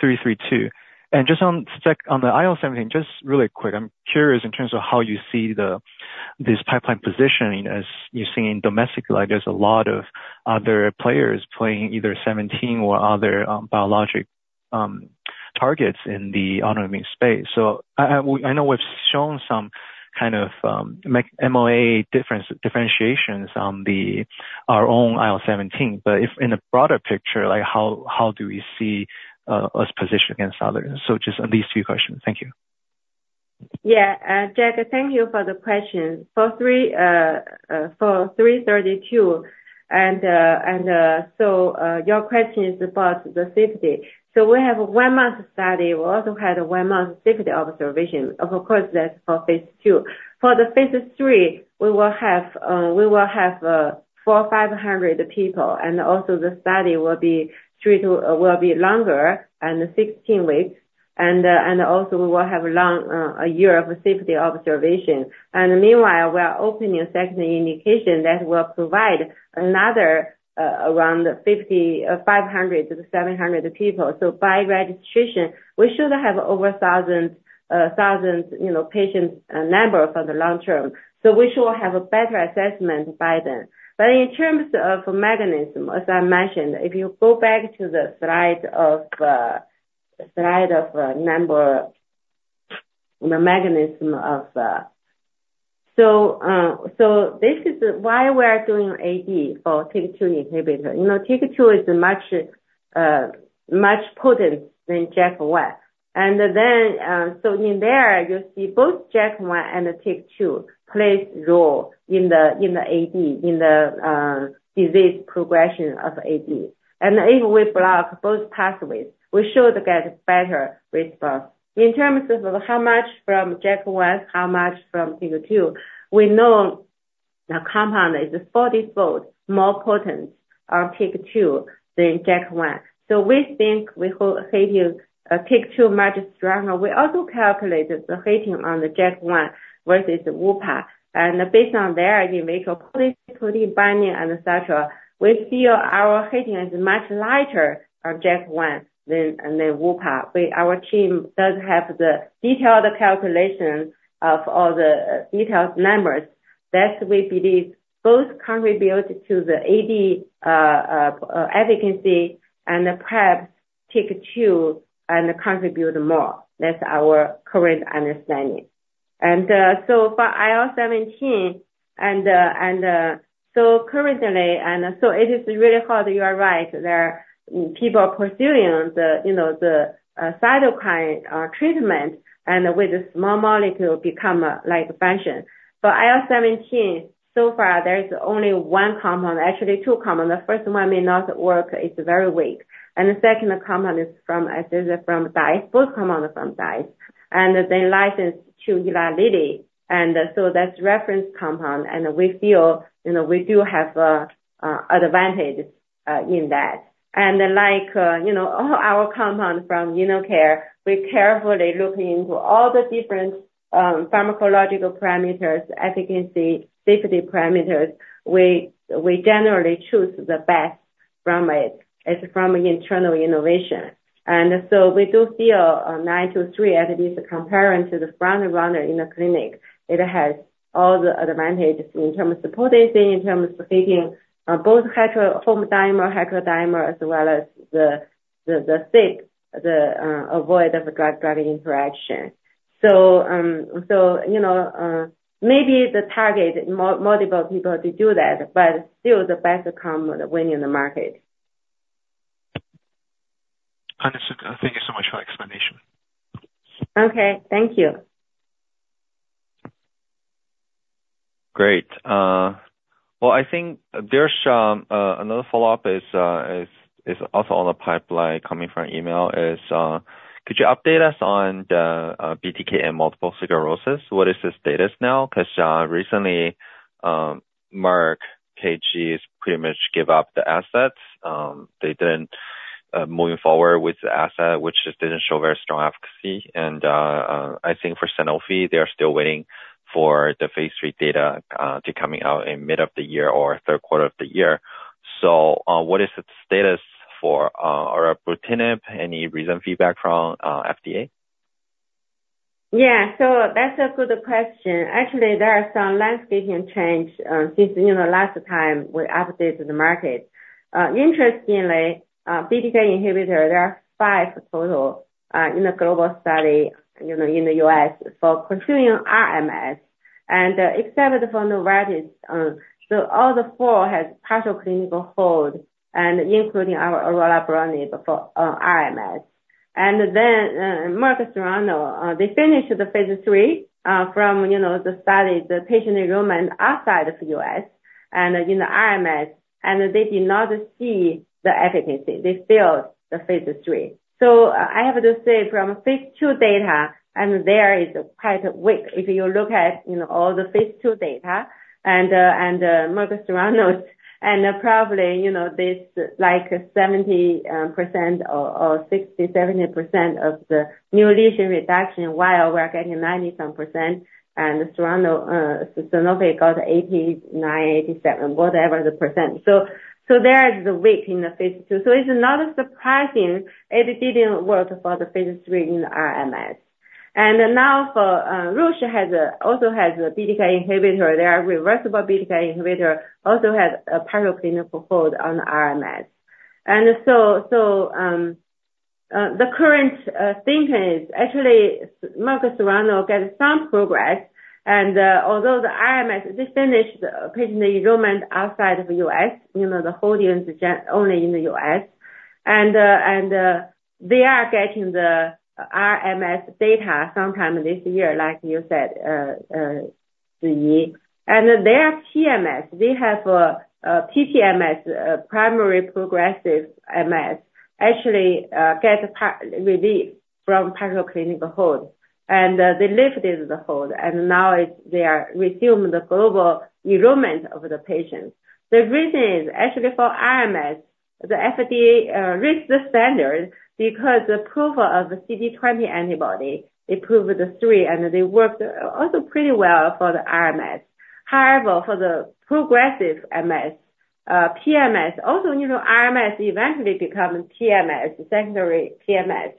332. And just on the IL-17, just really quick, I'm curious in terms of how you see the this pipeline positioning, as you've seen domestically, there's a lot of other players playing either 17 or other biologic targets in the autoimmune space. So I know we've shown some kind of MOA difference, differentiations on the our own IL-17, but if in the broader picture, like, how do we see us positioned against others? So just at least two questions. Thank you. Yeah, Jack, thank you for the question. For ICP-332, so your question is about the safety. So we have a one-month study. We also had a one-month safety observation, of course, that's for phase 2. For the phase 3, we will have 400-500 people, and also the study will be longer than 16 weeks, and also we will have a year of safety observation. And meanwhile, we are opening a second indication that will provide another around 500-700 people. So by registration, we should have over 1,000, you know, patient number for the long term. So we should have a better assessment by then. But in terms of mechanism, as I mentioned, if you go back to the slide of the mechanism, so this is why we are doing AD for TYK2 inhibitor. You know, TYK2 is much more potent than JAK1. And then, so in there, you see both JAK1 and TYK2 play a role in the AD, in the disease progression of AD. And if we block both pathways, we should get better response. In terms of how much from JAK1, how much from TYK2, we know the compound is 40-fold more potent on TYK2 than JAK1. So we think we are hitting TYK2 much stronger. We also calculated the hitting on the JAK1 versus Rinvoq, and based on there, you make a fully, fully binding and such, we feel our hitting is much lighter on JAK1 than Rinvoq. Our team does have the detailed calculation of all the detailed numbers, that we believe both contribute to the AD efficacy and perhaps TYK2, and contribute more. That's our current understanding. So for IL-17, currently, it is really hard, you are right, there are people pursuing the, you know, the cytokine treatment, and with the small molecule biologic-like function. But IL-17, so far, there's only one compound, actually two compounds. The first one may not work, it's very weak. And the second compound is from, I think, Dice, both compounds from Dice, and they licensed to Eli Lilly, and so that's reference compound, and we feel, you know, we do have a advantage in that. And like, you know, all our compounds from InnoCare, we're carefully looking into all the different pharmacological parameters, efficacy, safety parameters. We generally choose the best from it, it's from internal innovation. And so we do feel ICP-488, at least comparing to the front runner in the clinic, it has all the advantages in terms of potency, in terms of taking both homodimer, heterodimer, as well as the safety, the avoidance of drug-drug interaction. So, you know, maybe the target multiple people to do that, but still the best compound winning the market. Understood. Thank you so much for your explanation. Okay, thank you. Great. Well, I think there's another follow-up, which is also on the pipeline coming from email: could you update us on the BTK and multiple sclerosis? What is the status now? 'Cause recently, Merck KGaA pretty much gave up the assets. They didn't move forward with the asset, which just didn't show very strong efficacy. I think for Sanofi, they are still waiting for the phase three data to come out in mid of the year or third quarter of the year. So, what is the status for our orelabrutinib? Any recent feedback from FDA? Yeah. So that's a good question. Actually, there are some landscape changes, since, you know, last time we updated the market. Interestingly, BTK inhibitor, there are 5 total, in the global study, you know, in the U.S. for pursuing RMS. And except for Novartis, so all the 4 has partial clinical hold, and including our orelabrutinib for, RMS. And then, Merck Serono, they finished the phase three, from, you know, the study, the patient enrollment outside of U.S. and in the RMS, and they did not see the efficacy. They failed the phase three. So I have to say from phase two data, and there is quite weak. If you look at, you know, all the phase two data and, and, Merck Serono's, and probably, you know, this like 70% or, or 60-70% of the new lesion reduction, while we're getting 90-some%, and Serono, Sanofi got 89, 87, whatever the %. So, so there is a weak in the phase two. So it's not surprising it didn't work for the phase three in RMS. And now for, Roche has a, also has a BTK inhibitor. Their reversible BTK inhibitor also has a partial clinical hold on RMS. And so, the current thinking is actually Merck Serono get some progress, and although the RMS, they finished patient enrollment outside of U.S., you know, the hold is just only in the U.S. And they are getting the RMS data sometime this year, like you said, Ziyi. And their PPMS, they have primary progressive MS, actually got partial relief from partial clinical hold, and they lifted the hold, and now they are resuming the global enrollment of the patients. The reason is actually for RMS, the FDA raised the standard because the approval of the CD20 antibody, they approved the three, and they worked also pretty well for the RMS. However, for the progressive MS, PMS, also, you know, RMS eventually become PMS, secondary PMS,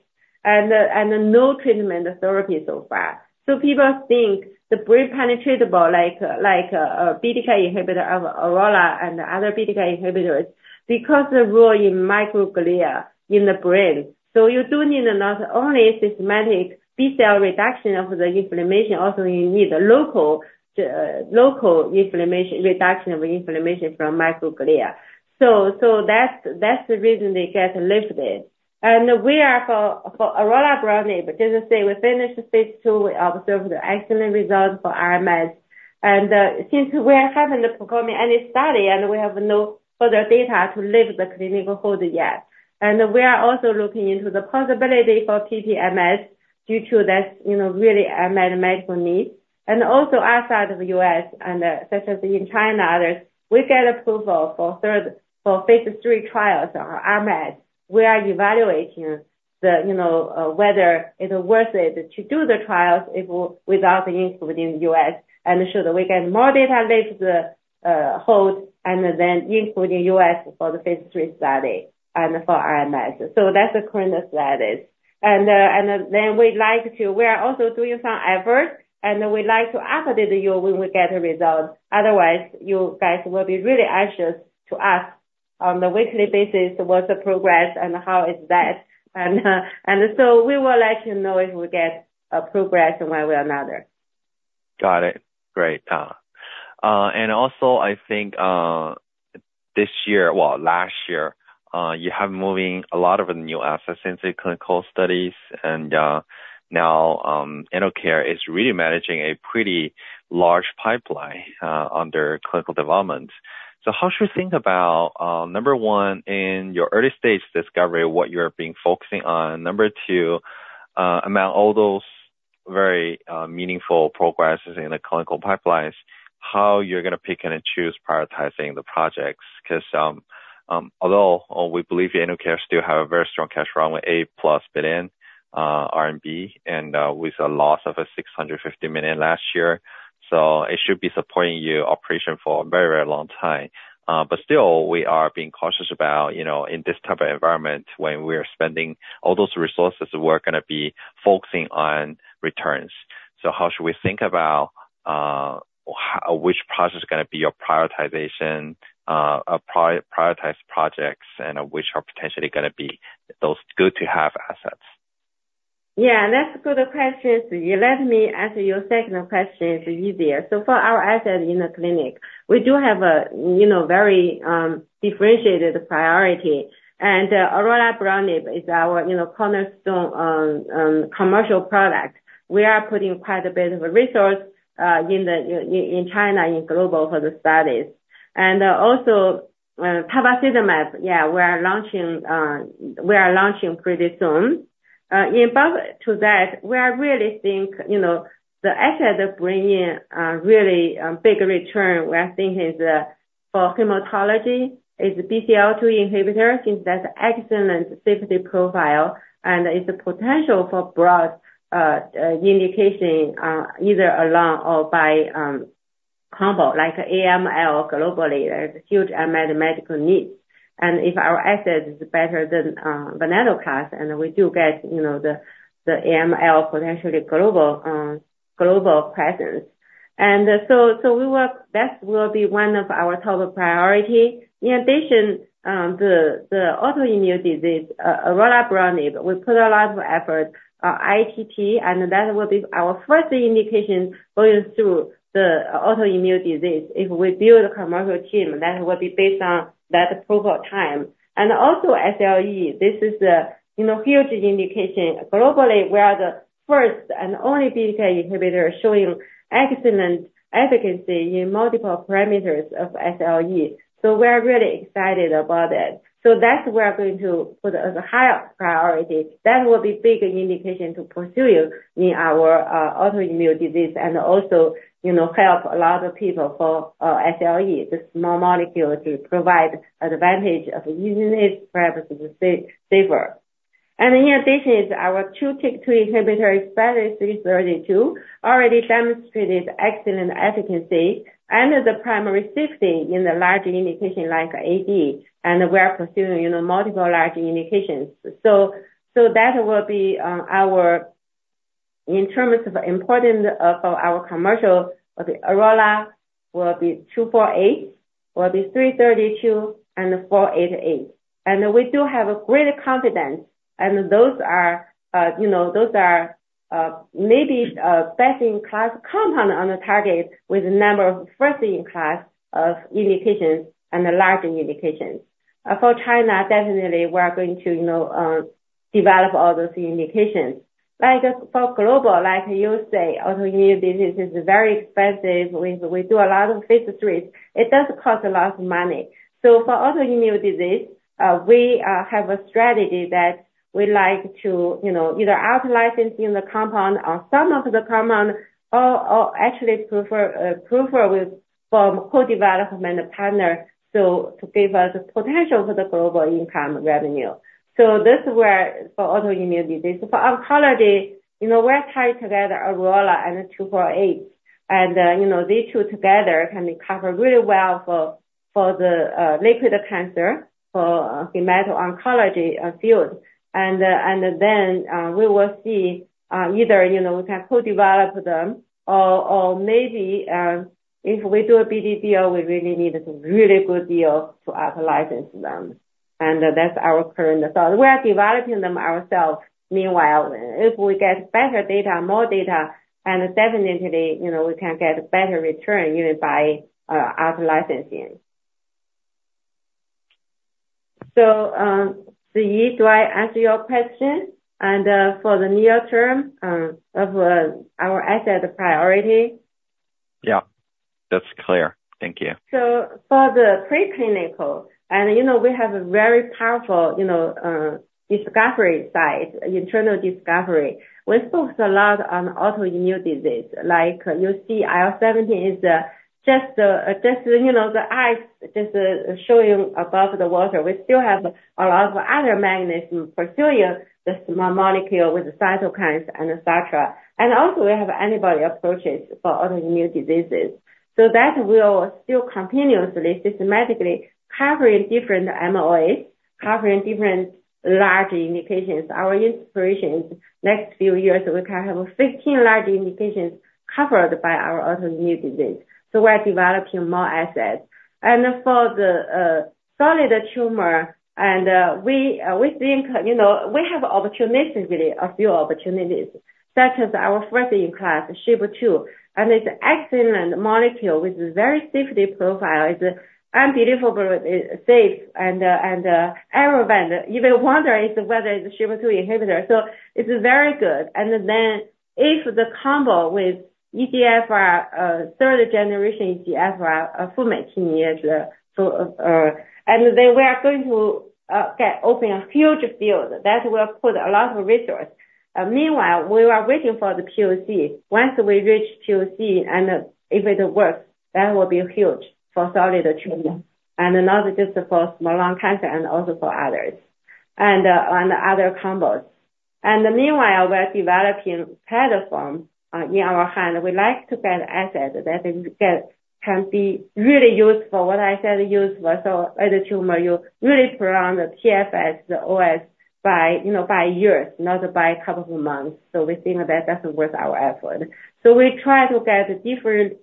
and no treatment or therapy so far. So people think the brain penetratable like a BTK inhibitor of orelabrutinib and other BTK inhibitors, because the role in microglia in the brain. So you do need not only systemic B cell reduction of the inflammation, also you need local, local inflammation, reduction of inflammation from microglia. So that's the reason they get lifted. And we are for orelabrutinib, because, as I say, we finished the phase two, we observed the excellent results for RMS. And since we haven't performed any study and we have no further data to lift the clinical hold yet. And we are also looking into the possibility for PPMS due to that, you know, really unmet medical need. Also outside of U.S. and, such as in China, there's we get approval for third, for phase three trials on RMS. We are evaluating the, you know, whether it's worth it to do the trials if without including U.S., and so that we get more data with the, hold and then include the U.S. for the phase three study and for RMS. So that's the current status. And, and then we are also doing some effort, and we'd like to update you when we get the results. Otherwise, you guys will be really anxious to ask on the weekly basis, what's the progress and how is that? And, and so we would like to know if we get a progress one way or another. Got it. Great. And also I think, this year, well, last year, you have moving a lot of new assets into clinical studies, and now InnoCare is really managing a pretty large pipeline under clinical development. So how should we think about, number one, in your early stages discovery, what you're being focusing on? Number two, among all those very meaningful progresses in the clinical pipelines, how you're gonna pick and choose prioritizing the projects? 'Cause, although we believe InnoCare still have a very strong cash flow with 8+ billion RMB, and with a loss of 650 million last year, so it should be supporting your operation for a very, very long time. But still, we are being cautious about, you know, in this type of environment, when we're spending all those resources, we're gonna be focusing on returns. So how should we think about which project is gonna be your prioritization, prioritize projects and which are potentially gonna be those good to have assets? Yeah, that's a good question. Let me answer your second question, it's easier. So for our assets in the clinic, we do have a, you know, very differentiated priority. And orelabrutinib is our, you know, cornerstone commercial product. We are putting quite a bit of resource in China, in global for the studies. And also tafasitamab, yeah, we are launching, we are launching pretty soon. In addition to that, we are really think, you know, the asset of bringing really big return, we are thinking is for hematology, is BCL-2 inhibitor, since that's excellent safety profile and it's a potential for broad indication, either alone or by combo, like AML globally, there's huge unmet medical needs. If our asset is better than venetoclax, and we do get, you know, the AML potentially global presence. So we work, that will be one of our top priority. In addition, the autoimmune disease, orelabrutinib, we put a lot of effort, ITP, and that will be our first indication going through the autoimmune disease. If we build a commercial team, that will be based on that approval time. Also SLE, this is a, you know, huge indication. Globally, we are the first and only BTK inhibitor showing excellent efficacy in multiple parameters of SLE. So we're really excited about it. So that's where we are going to put a higher priority. That will be big indication to pursue in our autoimmune disease and also, you know, help a lot of people for SLE, the small molecule to provide advantage of using it, perhaps safer. And in addition, our two TYK2 inhibitors, 332, already demonstrated excellent efficacy and the primary safety in the large indication like AD, and we are pursuing, you know, multiple large indications. So, so that will be our... In terms of importance for our commercial, the orelabrutinib will be 248, will be 332, and 488. And we do have great confidence, and those are, you know, those are maybe best in class compound on a target with a number of first in class of indications and the large indications. For China, definitely we are going to, you know, develop all those indications. Like for global, like you say, autoimmune disease is very expensive. We do a lot of phase 3s. It does cost a lot of money. So for autoimmune disease, we have a strategy that we like to, you know, either out-license in the compound or some of the compound, or, or actually prefer, uh, prefer with from co-development partner, so to give us potential for the global income revenue. So this where for autoimmune disease. For oncology, you know, we're tied together, orelabrutinib and 248. And, you know, these two together can cover really well for, for the, liquid cancer, for, hematology oncology, field. And, and then, we will see, either, you know, we can co-develop them, or, or maybe, if we do a BD deal, we really need a really good deal to out-license them. And that's our current thought. We are developing them ourselves meanwhile. If we get better data, more data, and definitely, you know, we can get better return even by, out-licensing. So, Ziyi, do I answer your question? And, for the near term, of, our asset priority? Yeah, that's clear. Thank you. So for the preclinical, you know, we have a very powerful, you know, discovery side, internal discovery. We focus a lot on autoimmune disease. Like you see, IL-17 is just, just, you know, the ice just showing above the water. We still have a lot of other mechanisms in pursuit, this small molecule with cytokines and etc. And also, we have antibody approaches for autoimmune diseases. So that will still continuously, systematically covering different MOAs, covering different large indications. Our inspiration is next few years, we can have 15 large indications covered by our autoimmune disease, so we're developing more assets. And for the solid tumor, we think, you know, we have opportunities, really, a few opportunities, such as our first in class, SHP2. And it's excellent molecule with very safety profile. It's unbelievably safe and narrow band. You may wonder whether it's a SHP2 inhibitor, so it's very good. And then the combo with EGFR, third generation EGFR, furmonertinib, so, and then we are going to get open a huge field that will put a lot of resource. Meanwhile, we are waiting for the POC. Once we reach POC, and if it works, that will be huge for solid tumor, and not just for non-small cell lung cancer and also for others, and on other combos. And meanwhile, we are developing platform in our hand. We like to get assets that can get, can be really useful, what I said useful, so as a tumor, you really prolong the PFS, the OS by, you know, by years, not by a couple of months. So we think that that's worth our effort. So we try to get different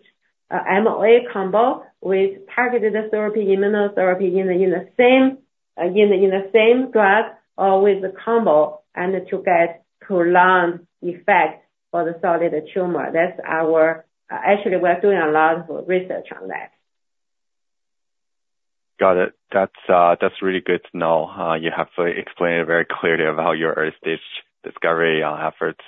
MOA combo with targeted therapy, immunotherapy in the, in the same, again, in the same drug or with the combo, and to get prolonged effect for the solid tumor. That's our... actually, we're doing a lot of research on that. Got it. That's really good to know. You have explained it very clearly about your early stage discovery efforts.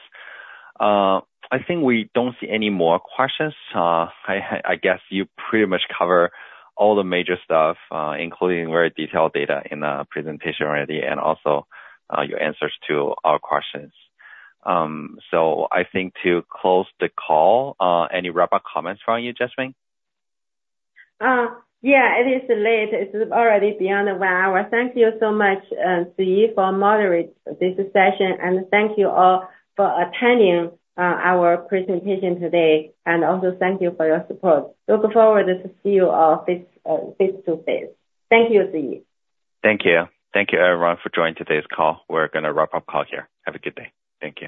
I think we don't see any more questions. I guess you pretty much cover all the major stuff, including very detailed data in the presentation already, and also your answers to our questions. So I think to close the call, any wrap-up comments from you, Jasmine? Yeah, it is late. It's already beyond one hour. Thank you so much, Ziyi, for moderate this session. Thank you all for attending our presentation today, and also thank you for your support. Look forward to see you all face face to face. Thank you, Ziyi. Thank you. Thank you everyone for joining today's call. We're gonna wrap up call here. Have a good day. Thank you.